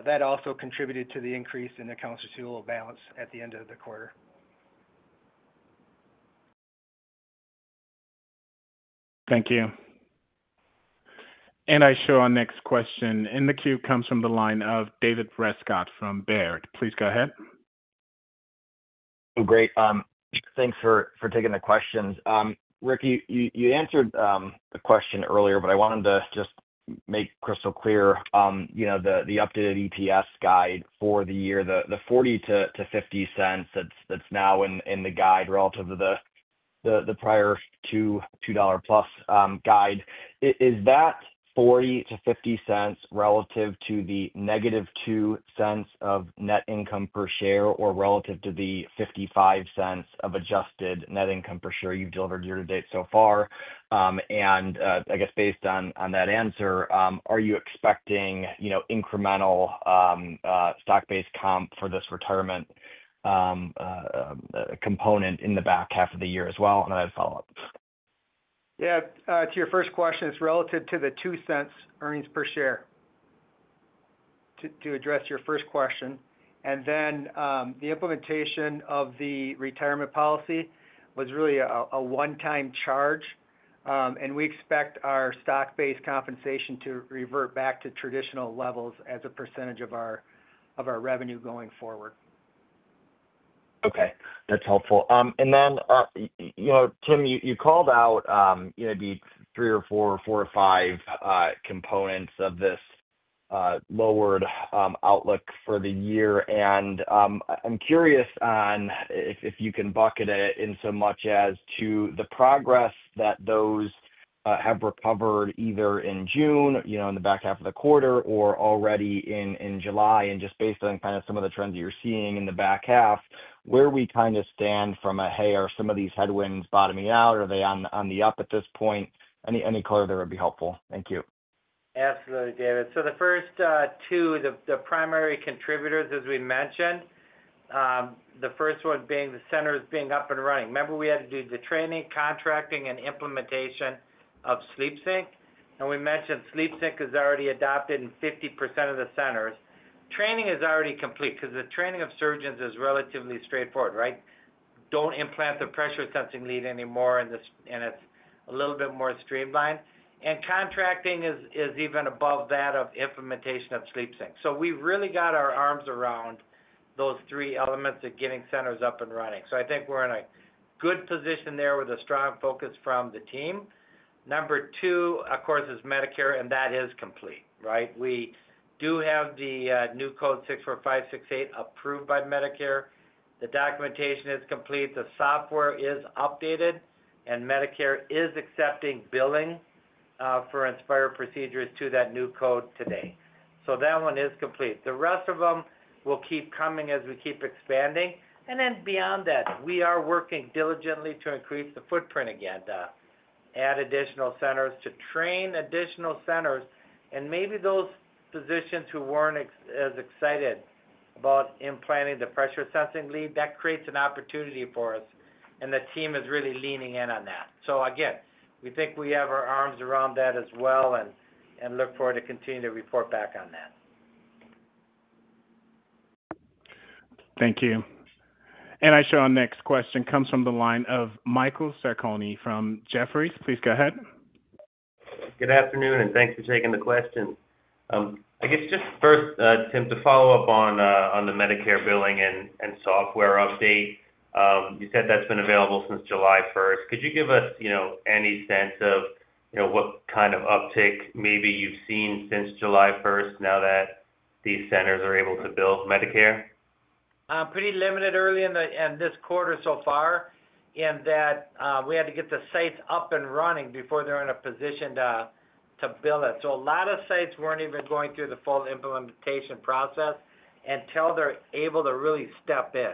that also contributed to the increase in accounts receivable balance at the end of the quarter. Thank you. I show our next question in the queue comes from the line of David Rescott from Baird. Please go ahead. Great. Thanks for taking the questions. Rick, you answered the question earlier, but I wanted to just make crystal clear, you know, the updated EPS guide for the year, the $0.40-$0.50 that's now in the guide relative to the prior $2, $2+ guide. Is that $0.40-$0.50 relative to the -$0.02 of net income per share or relative to the $0.55 of adjusted net income per share you've delivered year to date so far? I guess based on that answer, are you expecting, you know, incremental stock-based comp for this retirement component in the back half of the year as well? I have follow-ups. Yeah. To your first question, it's relative to the $0.02 earnings per share to address your first question. The implementation of the retirement policy was really a one-time charge, and we expect our stock-based compensation to revert back to traditional levels as a percentage of our revenue going forward. Okay. That's helpful. Tim, you called out maybe three or four or four or five components of this lowered outlook for the year. I'm curious if you can bucket it in so much as to the progress that those have recovered either in June, in the back half of the quarter, or already in July. Just based on some of the trends that you're seeing in the back half, where we kind of stand from a, "Hey, are some of these headwinds bottoming out? Are they on the up at this point?" Any color there would be helpful. Thank you. Absolutely, David. The first two, the primary contributors, as we mentioned, the first one being the centers being up and running. Remember, we had to do the training, contracting, and implementation of SleepSync. We mentioned SleepSync is already adopted in 50% of the centers. Training is already complete because the training of surgeons is relatively straightforward, right? Don't implant the pressure sensing lead anymore, and it's a little bit more streamlined. Contracting is even above that of implementation of SleepSync. We really got our arms around those three elements of getting centers up and running. I think we're in a good position there with a strong focus from the team. Number two, of course, is Medicare, and that is complete, right? We do have the new Code 64568 approved by Medicare. The documentation is complete. The software is updated, and Medicare is accepting billing for Inspire procedures to that new code today. That one is complete. The rest of them will keep coming as we keep expanding. Beyond that, we are working diligently to increase the footprint again, to add additional centers, to train additional centers. Maybe those physicians who weren't as excited about implanting the pressure sensing lead, that creates an opportunity for us. The team is really leaning in on that. We think we have our arms around that as well and look forward to continuing to report back on that. Thank you. I show our next question comes from the line of Michael Sarcone from Jefferies. Please go ahead. Good afternoon, and thanks for taking the question. I guess just first, Tim, to follow up on the Medicare billing and software update. You said that's been available since July 1st. Could you give us any sense of what kind of uptick maybe you've seen since July 1st now that these centers are able to bill Medicare? Pretty limited early in this quarter so far in that we had to get the sites up and running before they're in a position to bill it. A lot of sites weren't even going through the full implementation process until they're able to really step in.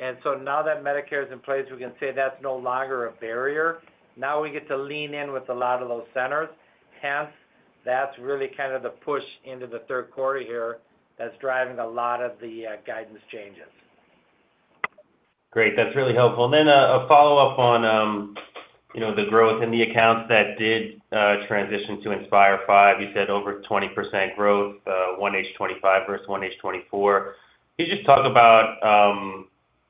Now that Medicare is in place, we can say that's no longer a barrier. Now we get to lean in with a lot of those centers. Hence, that's really kind of the push into the third quarter here that's driving a lot of the guidance changes. Great. That's really helpful. A follow-up on the growth in the accounts that did transition to Inspire V. You said over 20% growth, 1H25 versus 1H24. Could you just talk about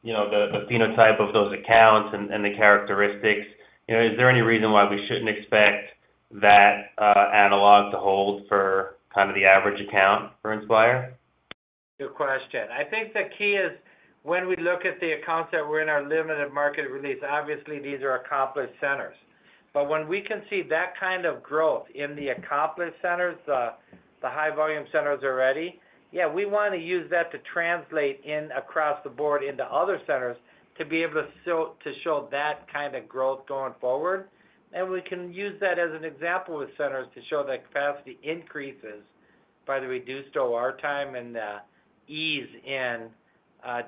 the phenotype of those accounts and the characteristics? Is there any reason why we shouldn't expect that analog to hold for kind of the average account for Inspire? Good question. I think the key is when we look at the accounts that were in our limited market release, obviously, these are accomplished centers. When we can see that kind of growth in the accomplished centers, the high-volume centers already, we want to use that to translate across the board into other centers to be able to show that kind of growth going forward. We can use that as an example with centers to show that capacity increases by the reduced OR time and the ease in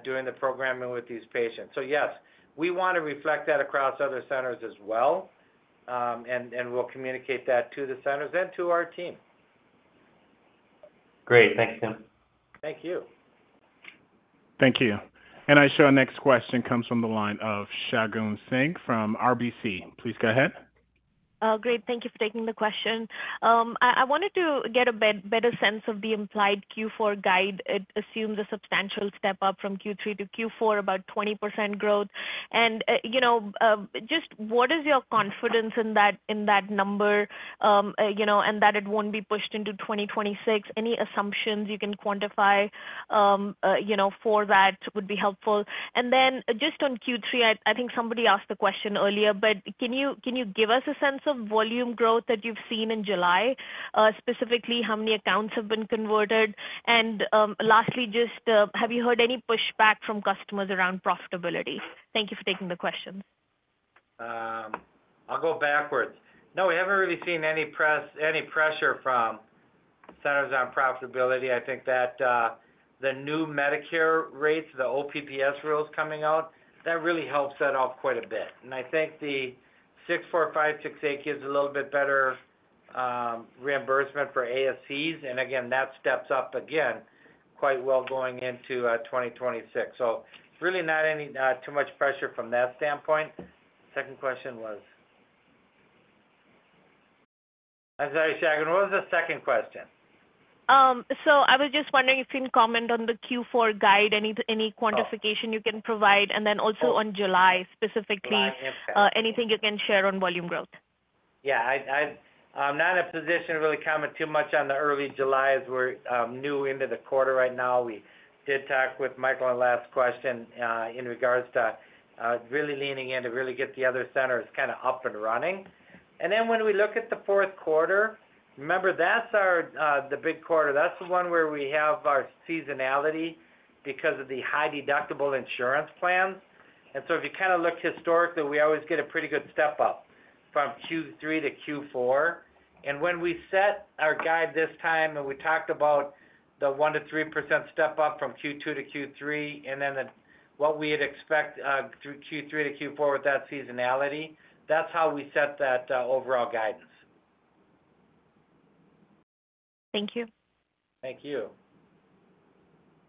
doing the programming with these patients. Yes, we want to reflect that across other centers as well, and we'll communicate that to the centers and to our team. Great. Thanks, Tim. Thank you. Thank you. I show our next question comes from the line of Shagun Singh from RBC. Please go ahead. Oh, great. Thank you for taking the question. I wanted to get a better sense of the implied Q4 guide. It assumes a substantial step up from Q3 to Q4, about 20% growth. Just what is your confidence in that number, you know, and that it won't be pushed into 2026? Any assumptions you can quantify for that would be helpful. On Q3, I think somebody asked the question earlier, but can you give us a sense of volume growth that you've seen in July? Specifically, how many accounts have been converted? Lastly, have you heard any pushback from customers around profitability? Thank you for taking the question. I'll go backwards. No, we haven't really seen any pressure from centers on profitability. I think that the new Medicare rates, the OPPS rules coming out, that really helps that off quite a bit. I think the CPT Code 64568 gives a little bit better reimbursement for ASCs, and that steps up again quite well going into 2026. It's really not any, too much pressure from that standpoint. Second question was? I'm sorry, Shagun, what was the second question? I was just wondering if you can comment on the Q4 guide, any quantification you can provide, and then also on July specifically, anything you can share on volume growth. Yeah, I'm not in a position to really comment too much on the early July as we're new into the quarter right now. We did talk with Michael on the last question, in regards to really leaning in to really get the other centers kind of up and running. When we look at the fourth quarter, remember, that's our big quarter. That's the one where we have our seasonality because of the high deductible insurance plan. If you kind of look historically, we always get a pretty good step up from Q3 to Q4. When we set our guide this time, and we talked about the 1%-3% step up from Q2 to Q3, and then what we would expect through Q3 to Q4 with that seasonality, that's how we set that overall guidance. Thank you. Thank you.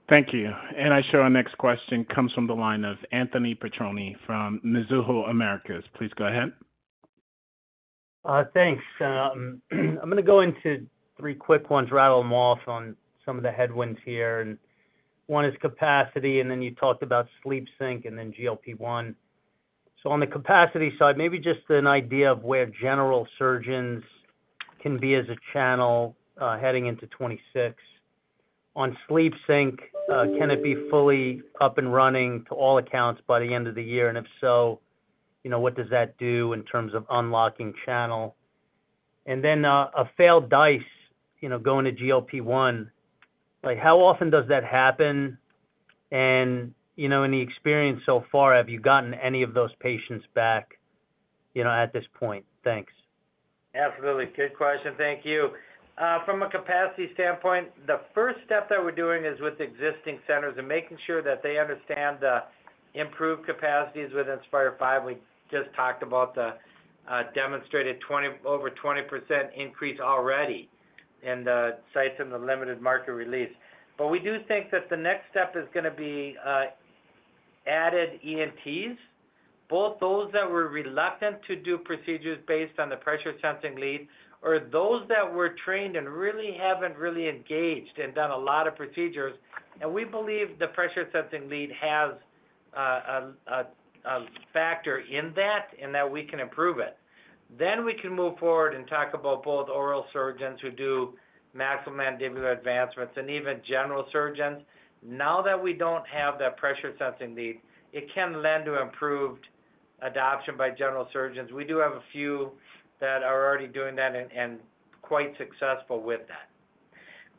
Thank you. I show our next question comes from the line of Anthony Petrone from Mizuho Americas. Please go ahead. Thanks. I'm going to go into three quick ones, rattle them off on some of the headwinds here. One is capacity, and then you talked about SleepSync and then GLP-1. On the capacity side, maybe just an idea of where general surgeons can be as a channel heading into 2026. On SleepSync, can it be fully up and running to all accounts by the end of the year? If so, what does that do in terms of unlocking channel? A failed DICE, going to GLP-1, how often does that happen? In the experience so far, have you gotten any of those patients back at this point? Thanks. Absolutely. Good question. Thank you. From a capacity standpoint, the first step that we're doing is with existing centers and making sure that they understand the improved capacities with Inspire V. We just talked about the demonstrated over 20% increase already in the sites in the limited market release. We do think that the next step is going to be added ENTs, both those that were reluctant to do procedures based on the pressure sensing lead or those that were trained and really haven't really engaged and done a lot of procedures. We believe the pressure sensing lead has a factor in that and that we can improve it. We can move forward and talk about both oral surgeons who do maxillomandibular advancements and even general surgeons. Now that we don't have that pressure sensing lead, it can lend to improved adoption by general surgeons. We do have a few that are already doing that and quite successful with that.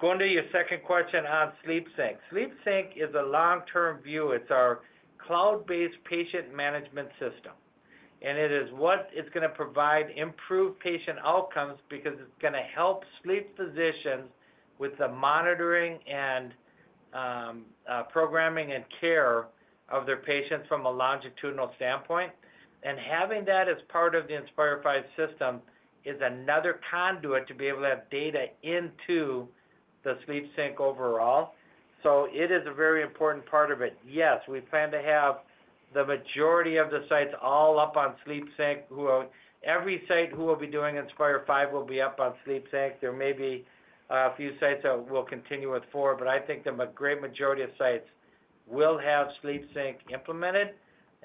Going to your second question on SleepSync. SleepSync is a long-term view. It's our cloud-based patient management system. It is what is going to provide improved patient outcomes because it's going to help sleep physicians with the monitoring and programming and care of their patients from a longitudinal standpoint. Having that as part of the Inspire V system is another conduit to be able to have data into the SleepSync overall. It is a very important part of it. Yes, we plan to have the majority of the sites all up on SleepSync. Every site who will be doing Inspire V will be up on SleepSync. There may be a few sites that will continue with Inspire IV, but I think the great majority of sites will have SleepSync implemented.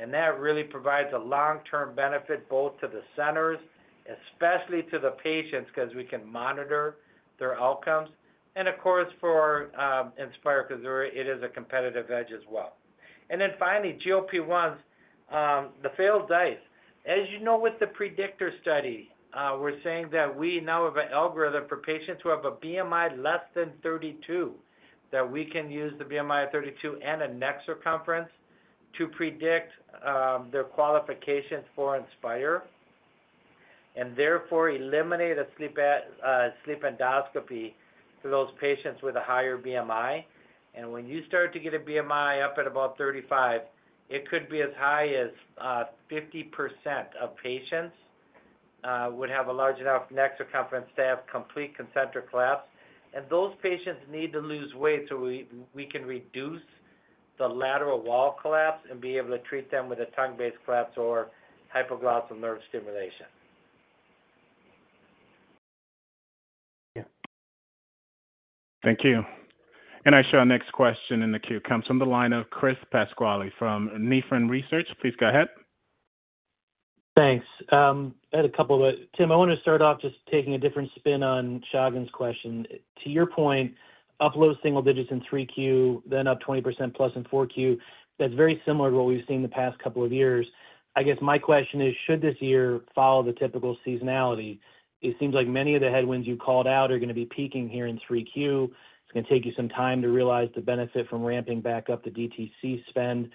That really provides a long-term benefit both to the centers, especially to the patients because we can monitor their outcomes. Of course, for Inspire because it is a competitive edge as well. Finally, GLP-1s, the failed DICE. As you know, with the predictor study, we're saying that we now have an algorithm for patients who have a BMI less than 32, that we can use the BMI of 32 and a neck circumference to predict their qualifications for Inspire and therefore eliminate a sleep endoscopy for those patients with a higher BMI. When you start to get a BMI up at about 35, it could be as high as 50% of patients would have a large enough neck circumference to have complete concentric collapse. Those patients need to lose weight so we can reduce the lateral wall collapse and be able to treat them with a tongue-based collapse or hypoglossal nerve stimulation. Thank you. I show our next question in the queue comes from the line of Chris Pasquale from Nephron Research. Please go ahead. Thanks. I had a couple of—Tim, I want to start off just taking a different spin on Shagun's question. To your point, up low single digits in 3Q, then up 20%+in 4Q. That's very similar to what we've seen the past couple of years. I guess my question is, should this year follow the typical seasonality? It seems like many of the headwinds you called out are going to be peaking here in 3Q. It's going to take you some time to realize the benefit from ramping back up the DTC spend.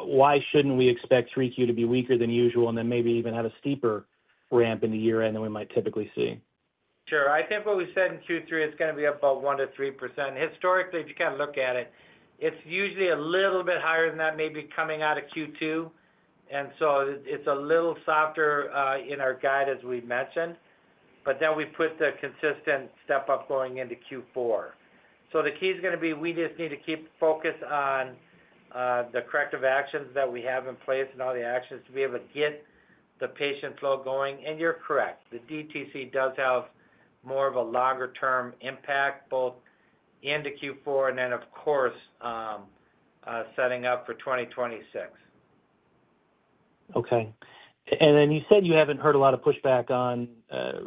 Why shouldn't we expect 3Q to be weaker than usual and then maybe even have a steeper ramp in the year-end than we might typically see? Sure. I think what we said in Q3, it's going to be about 1%-3%. Historically, if you kind of look at it, it's usually a little bit higher than that maybe coming out of Q2. It's a little softer in our guide, as we mentioned. We put the consistent step up going into Q4. The key is going to be we just need to keep focused on the corrective actions that we have in place and all the actions to be able to get the patient flow going. You're correct. The DTC does have more of a longer-term impact both into Q4 and, of course, setting up for 2026. Okay. You said you haven't heard a lot of pushback on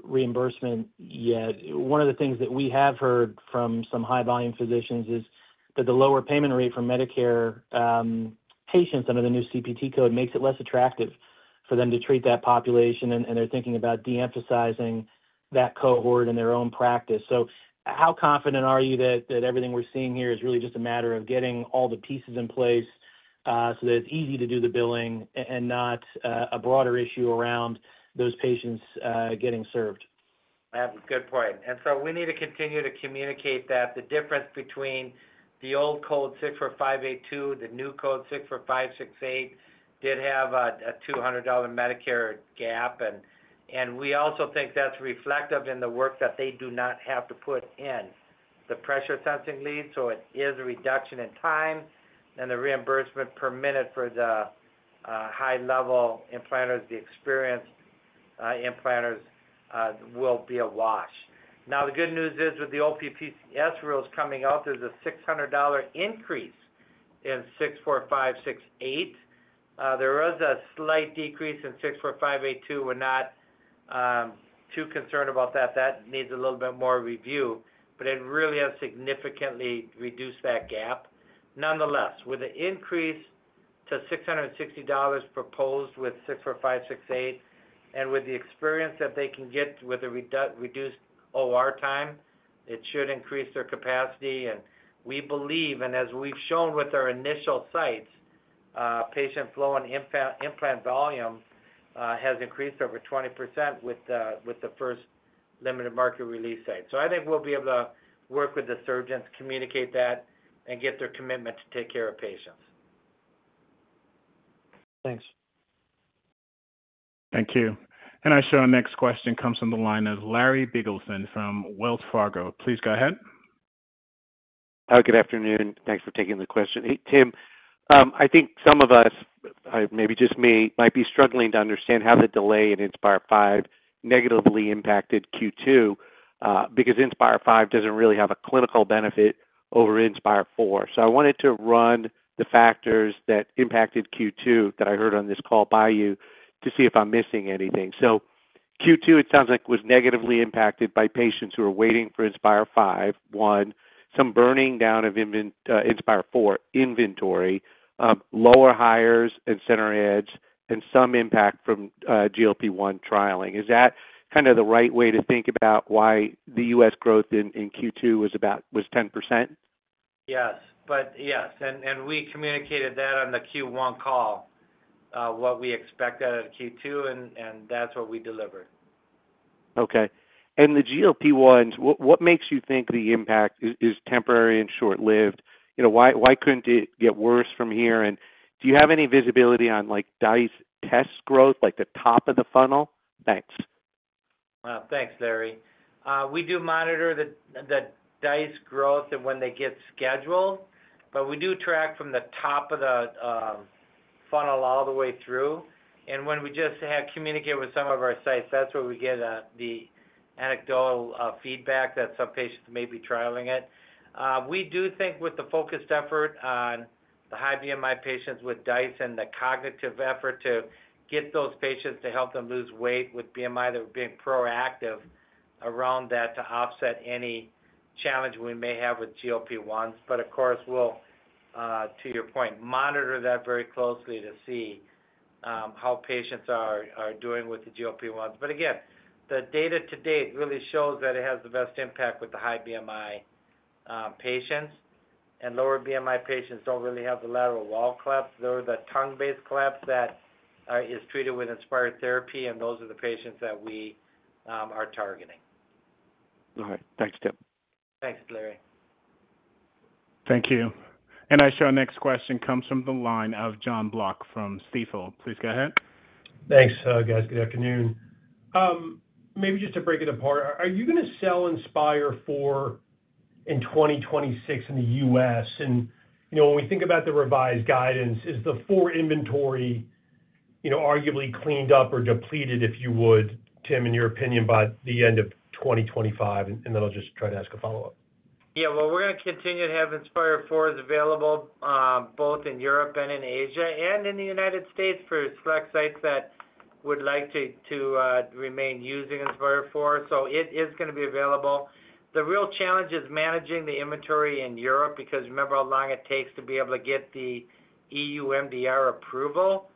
reimbursement yet. One of the things that we have heard from some high-volume physicians is that the lower payment rate for Medicare patients under the new CPT Code makes it less attractive for them to treat that population. They're thinking about de-emphasizing that cohort in their own practice. How confident are you that everything we're seeing here is really just a matter of getting all the pieces in place so that it's easy to do the billing and not a broader issue around those patients getting served? That's a good point. We need to continue to communicate that the difference between the old Code 64582 and the new Code 64568 did have a $200 Medicare gap. We also think that's reflective in the work that they do not have to put in the pressure sensing lead, so it is a reduction in time. The reimbursement per minute for the high-level implanters, the experienced implanters, will be a wash. The good news is with the OPPCS rules coming out, there's a $600 increase in Code 64568. There was a slight decrease in Code 64582. We're not too concerned about that. That needs a little bit more review, but it really has significantly reduced that gap. Nonetheless, with an increase to $660 proposed with Code 64568 and with the experience that they can get with a reduced OR time, it should increase their capacity. We believe, and as we've shown with our initial sites, patient flow and implant volume has increased over 20% with the first limited market release site. I think we'll be able to work with the surgeons, communicate that, and get their commitment to take care of patients. Thank you. Thank you. I show our next question comes from the line of Larry Biegelsen from Wells Fargo. Please go ahead. Hi, good afternoon. Thanks for taking the question. Hey, Tim. I think some of us, maybe just me, might be struggling to understand how the delay in Inspire V negatively impacted Q2 because Inspire V doesn't really have a clinical benefit over Inspire IV. I wanted to run the factors that impacted Q2 that I heard on this call by you to see if I'm missing anything. Q2, it sounds like, was negatively impacted by patients who are waiting for Inspire V, one, some burning down of Inspire IV inventory, lower hires and center eds, and some impact from GLP-1 trialing. Is that kind of the right way to think about why the U.S. growth in Q2 was about 10%? Yes, we communicated that on the Q1 call, what we expected out of Q2, and that's what we delivered. Okay. The GLP-1 therapies, what makes you think the impact is temporary and short-lived? Why couldn't it get worse from here? Do you have any visibility on dice test growth, like the top of the funnel? Thanks. Thank you, Larry. We do monitor the DICE growth and when they get scheduled. We do track from the top of the funnel all the way through. When we have communicated with some of our sites, that's where we get the anecdotal feedback that some patients may be trialing it. We do think with the focused effort on the high BMI patients with DICE and the cognitive effort to get those patients to help them lose weight with BMI, that we're being proactive around that to offset any challenge we may have with GLP-1s. Of course, we'll, to your point, monitor that very closely to see how patients are doing with the GLP-1s. The data to date really shows that it has the best impact with the high BMI patients. Lower BMI patients don't really have the lateral wall collapse. They're the tongue-based collapse that is treated with Inspire therapy, and those are the patients that we are targeting. All right. Thanks, Tim. Thanks, Larry. Thank you. I show our next question comes from the line of Jon Block from Stifel. Please go ahead. Thanks, guys. Good afternoon. Maybe just to break it apart, are you going to sell Inspire IV in 2026 in the U.S.? When we think about the revised guidance, is the IV inventory, you know, arguably cleaned up or depleted, if you would, Tim, in your opinion, by the end of 2025? I'll just try to ask a follow-up. Yeah, we're going to continue to have Inspire IV available both in Europe and in Asia and in the U.S. for select sites that would like to remain using Inspire IV. It is going to be available. The real challenge is managing the inventory in Europe because remember how long it takes to be able to get the EU MDR approval.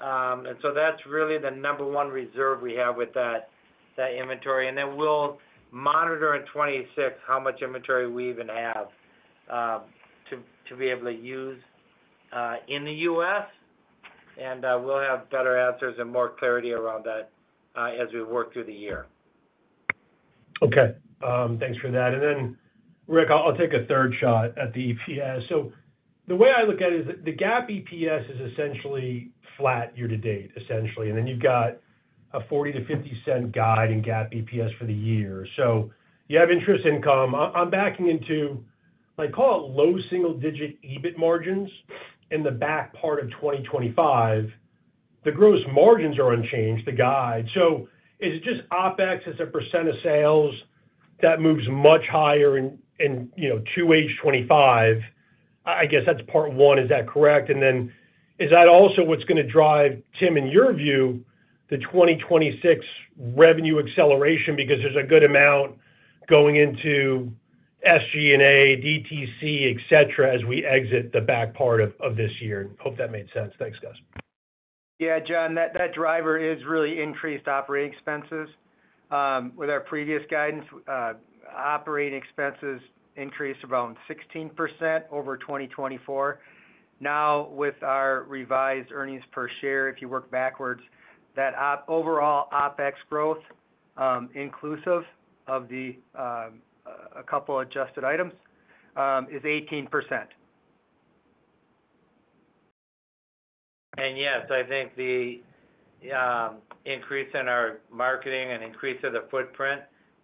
That's really the number one reserve we have with that inventory. We'll monitor in 2026 how much inventory we even have to be able to use in the U.S., and we'll have better answers and more clarity around that as we work through the year. Okay. Thanks for that. Rick, I'll take a third shot at the EPS. The way I look at it is the GAAP EPS is essentially flat year to date, essentially. You've got a $0.40-$0.50 guide in GAAP EPS for the year. You have interest income. I'm backing into, I call it, low single-digit EBIT margins in the back part of 2025. The gross margins are unchanged, the guide. Is it just OpEx as a percent of sales that moves much higher in 2H25? I guess that's part one. Is that correct? Is that also what's going to drive, Tim, in your view, the 2026 revenue acceleration because there's a good amount going into SG&A, DTC, etc., as we exit the back part of this year? Hope that made sense. Thanks, guys. Yeah, John, that driver is really increased operating expenses. With our previous guidance, operating expenses increased about 16% over 2024. Now, with our revised earnings per share, if you work backwards, that overall OpEx growth, inclusive of a couple of adjusted items, is 18%. I think the increase in our marketing and increase of the footprint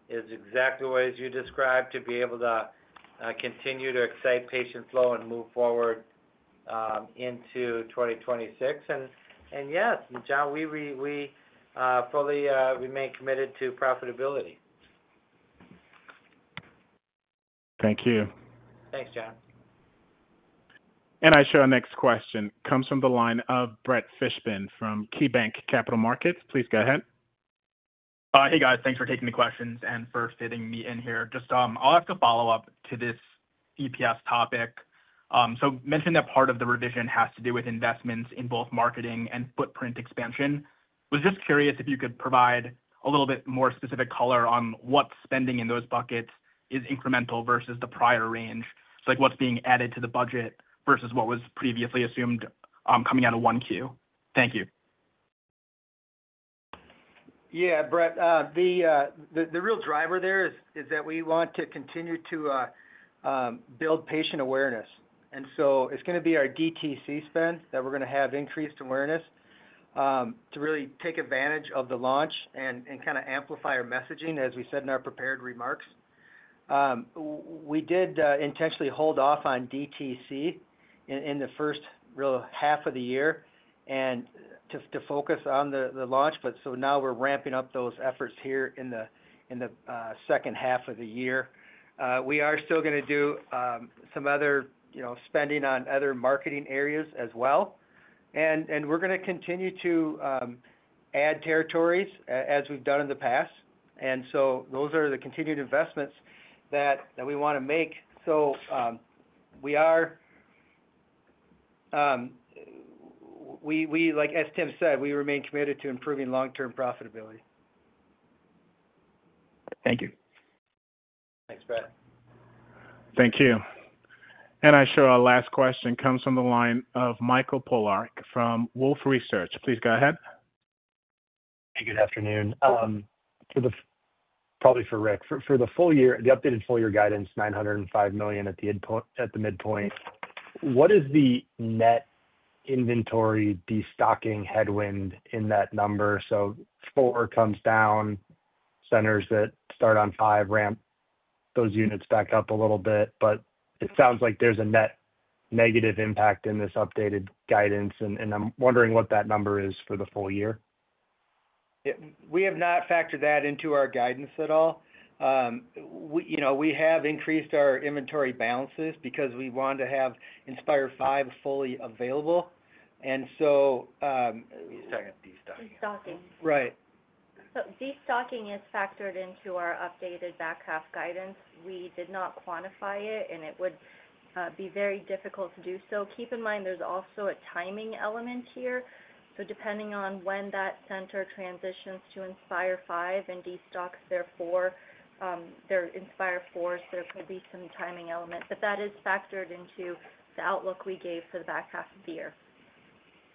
is exactly what you described to be able to continue to excite patient flow and move forward into 2026. Yes, John, we fully remain committed to profitability. Thank you. Thanks, John. Our next question comes from the line of Brett Fishbin from KeyBanc Capital Markets. Please go ahead. Hey, guys. Thanks for taking the questions and first getting me in here. I'll have to follow up to this EPS topic. You mentioned that part of the revision has to do with investments in both marketing and footprint expansion. I was just curious if you could provide a little bit more specific color on what spending in those buckets is incremental versus the prior range. It's like what's being added to the budget versus what was previously assumed, coming out of 1Q. Thank you. Yeah, Brett, the real driver there is that we want to continue to build patient awareness. It's going to be our DTC spend that we're going to have increased awareness to really take advantage of the launch and kind of amplify our messaging, as we said in our prepared remarks. We did intentionally hold off on DTC in the first half of the year to focus on the launch. Now we're ramping up those efforts here in the second half of the year. We are still going to do some other spending on other marketing areas as well, and we're going to continue to add territories as we've done in the past. Those are the continued investments that we want to make. We, like as Tim said, remain committed to improving long-term profitability. Thank you. Thanks, Brett. Thank you. I show our last question comes from the line of Michael Polark from Wolfe Research. Please go ahead. Hey, good afternoon. Hello. For Rick, for the full year, the updated full-year guidance, $905 million at the midpoint, what is the net inventory destocking headwind in that number? Four comes down, centers that start on five, ramp those units back up a little bit, but it sounds like there's a net negative impact in this updated guidance, and I'm wondering what that number is for the full year? Yeah, we have not factored that into our guidance at all. We have increased our inventory balances because we want to have Inspire V fully available. Let me start at destocking. Destocking. Right. Destocking is factored into our updated back-half guidance. We did not quantify it, and it would be very difficult to do so. Keep in mind, there's also a timing element here. Depending on when that center transitions to Inspire V and destocks their Inspire IVs, there could be some timing element. That is factored into the outlook we gave for the back half of the year.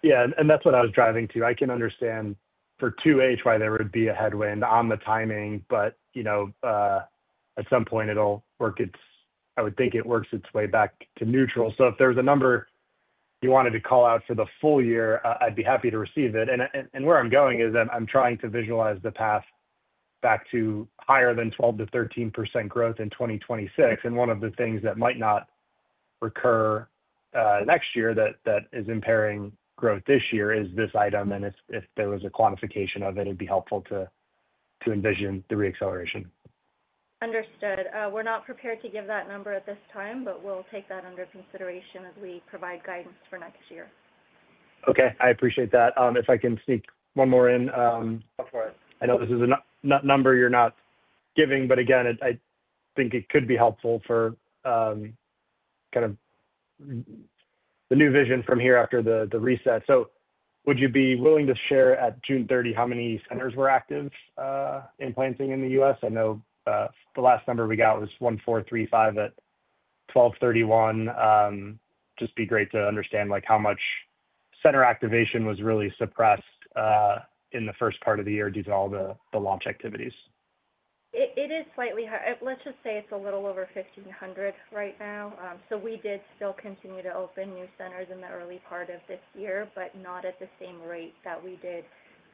Yeah, that's what I was driving to. I can understand for 2H why there would be a headwind on the timing, but at some point, it'll work its way back to neutral. If there's a number you wanted to call out for the full year, I'd be happy to receive it. Where I'm going is I'm trying to visualize the path back to higher than 12%-13% growth in 2026. One of the things that might not recur next year that is impairing growth this year is this item. If there was a quantification of it, it'd be helpful to envision the reacceleration. Understood. We're not prepared to give that number at this time, but we'll take that under consideration as we provide guidance for next year. Okay. I appreciate that. If I can sneak one more in, I know this is a number you're not giving, but again, I think it could be helpful for kind of the new vision from here after the reset. Would you be willing to share at June 30th how many centers were active, implanting in the U.S.? I know the last number we got was 1,435 at 12/31. It would just be great to understand how much center activation was really suppressed in the first part of the year due to all the launch activities. It is slightly higher. Let's just say it's a little over 1,500 right now. We did still continue to open new centers in the early part of this year, but not at the same rate that we did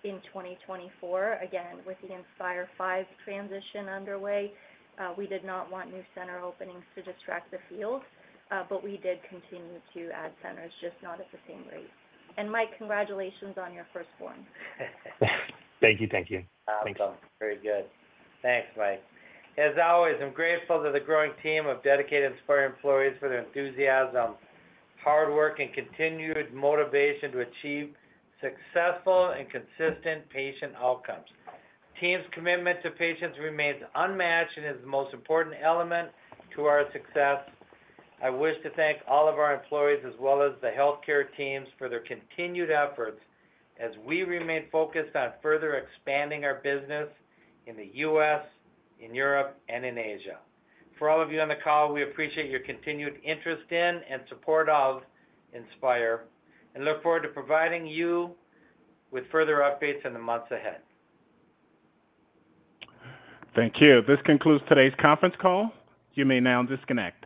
in 2023. Again, with the Inspire V transition underway, we did not want new center openings to distract the field. We did continue to add centers, just not at the same rate. Mike, congratulations on your first form. Thank you. Thank you. Thanks. Very good. Thanks, Mike. As always, I'm grateful to the growing team of dedicated Inspire employees for their enthusiasm, hard work, and continued motivation to achieve successful and consistent patient outcomes. The team's commitment to patients remains unmatched and is the most important element to our success. I wish to thank all of our employees, as well as the healthcare teams, for their continued efforts as we remain focused on further expanding our business in the U.S., in Europe, and in Asia. For all of you on the call, we appreciate your continued interest in and support of Inspire and look forward to providing you with further updates in the months ahead. Thank you. This concludes today's conference call. You may now disconnect.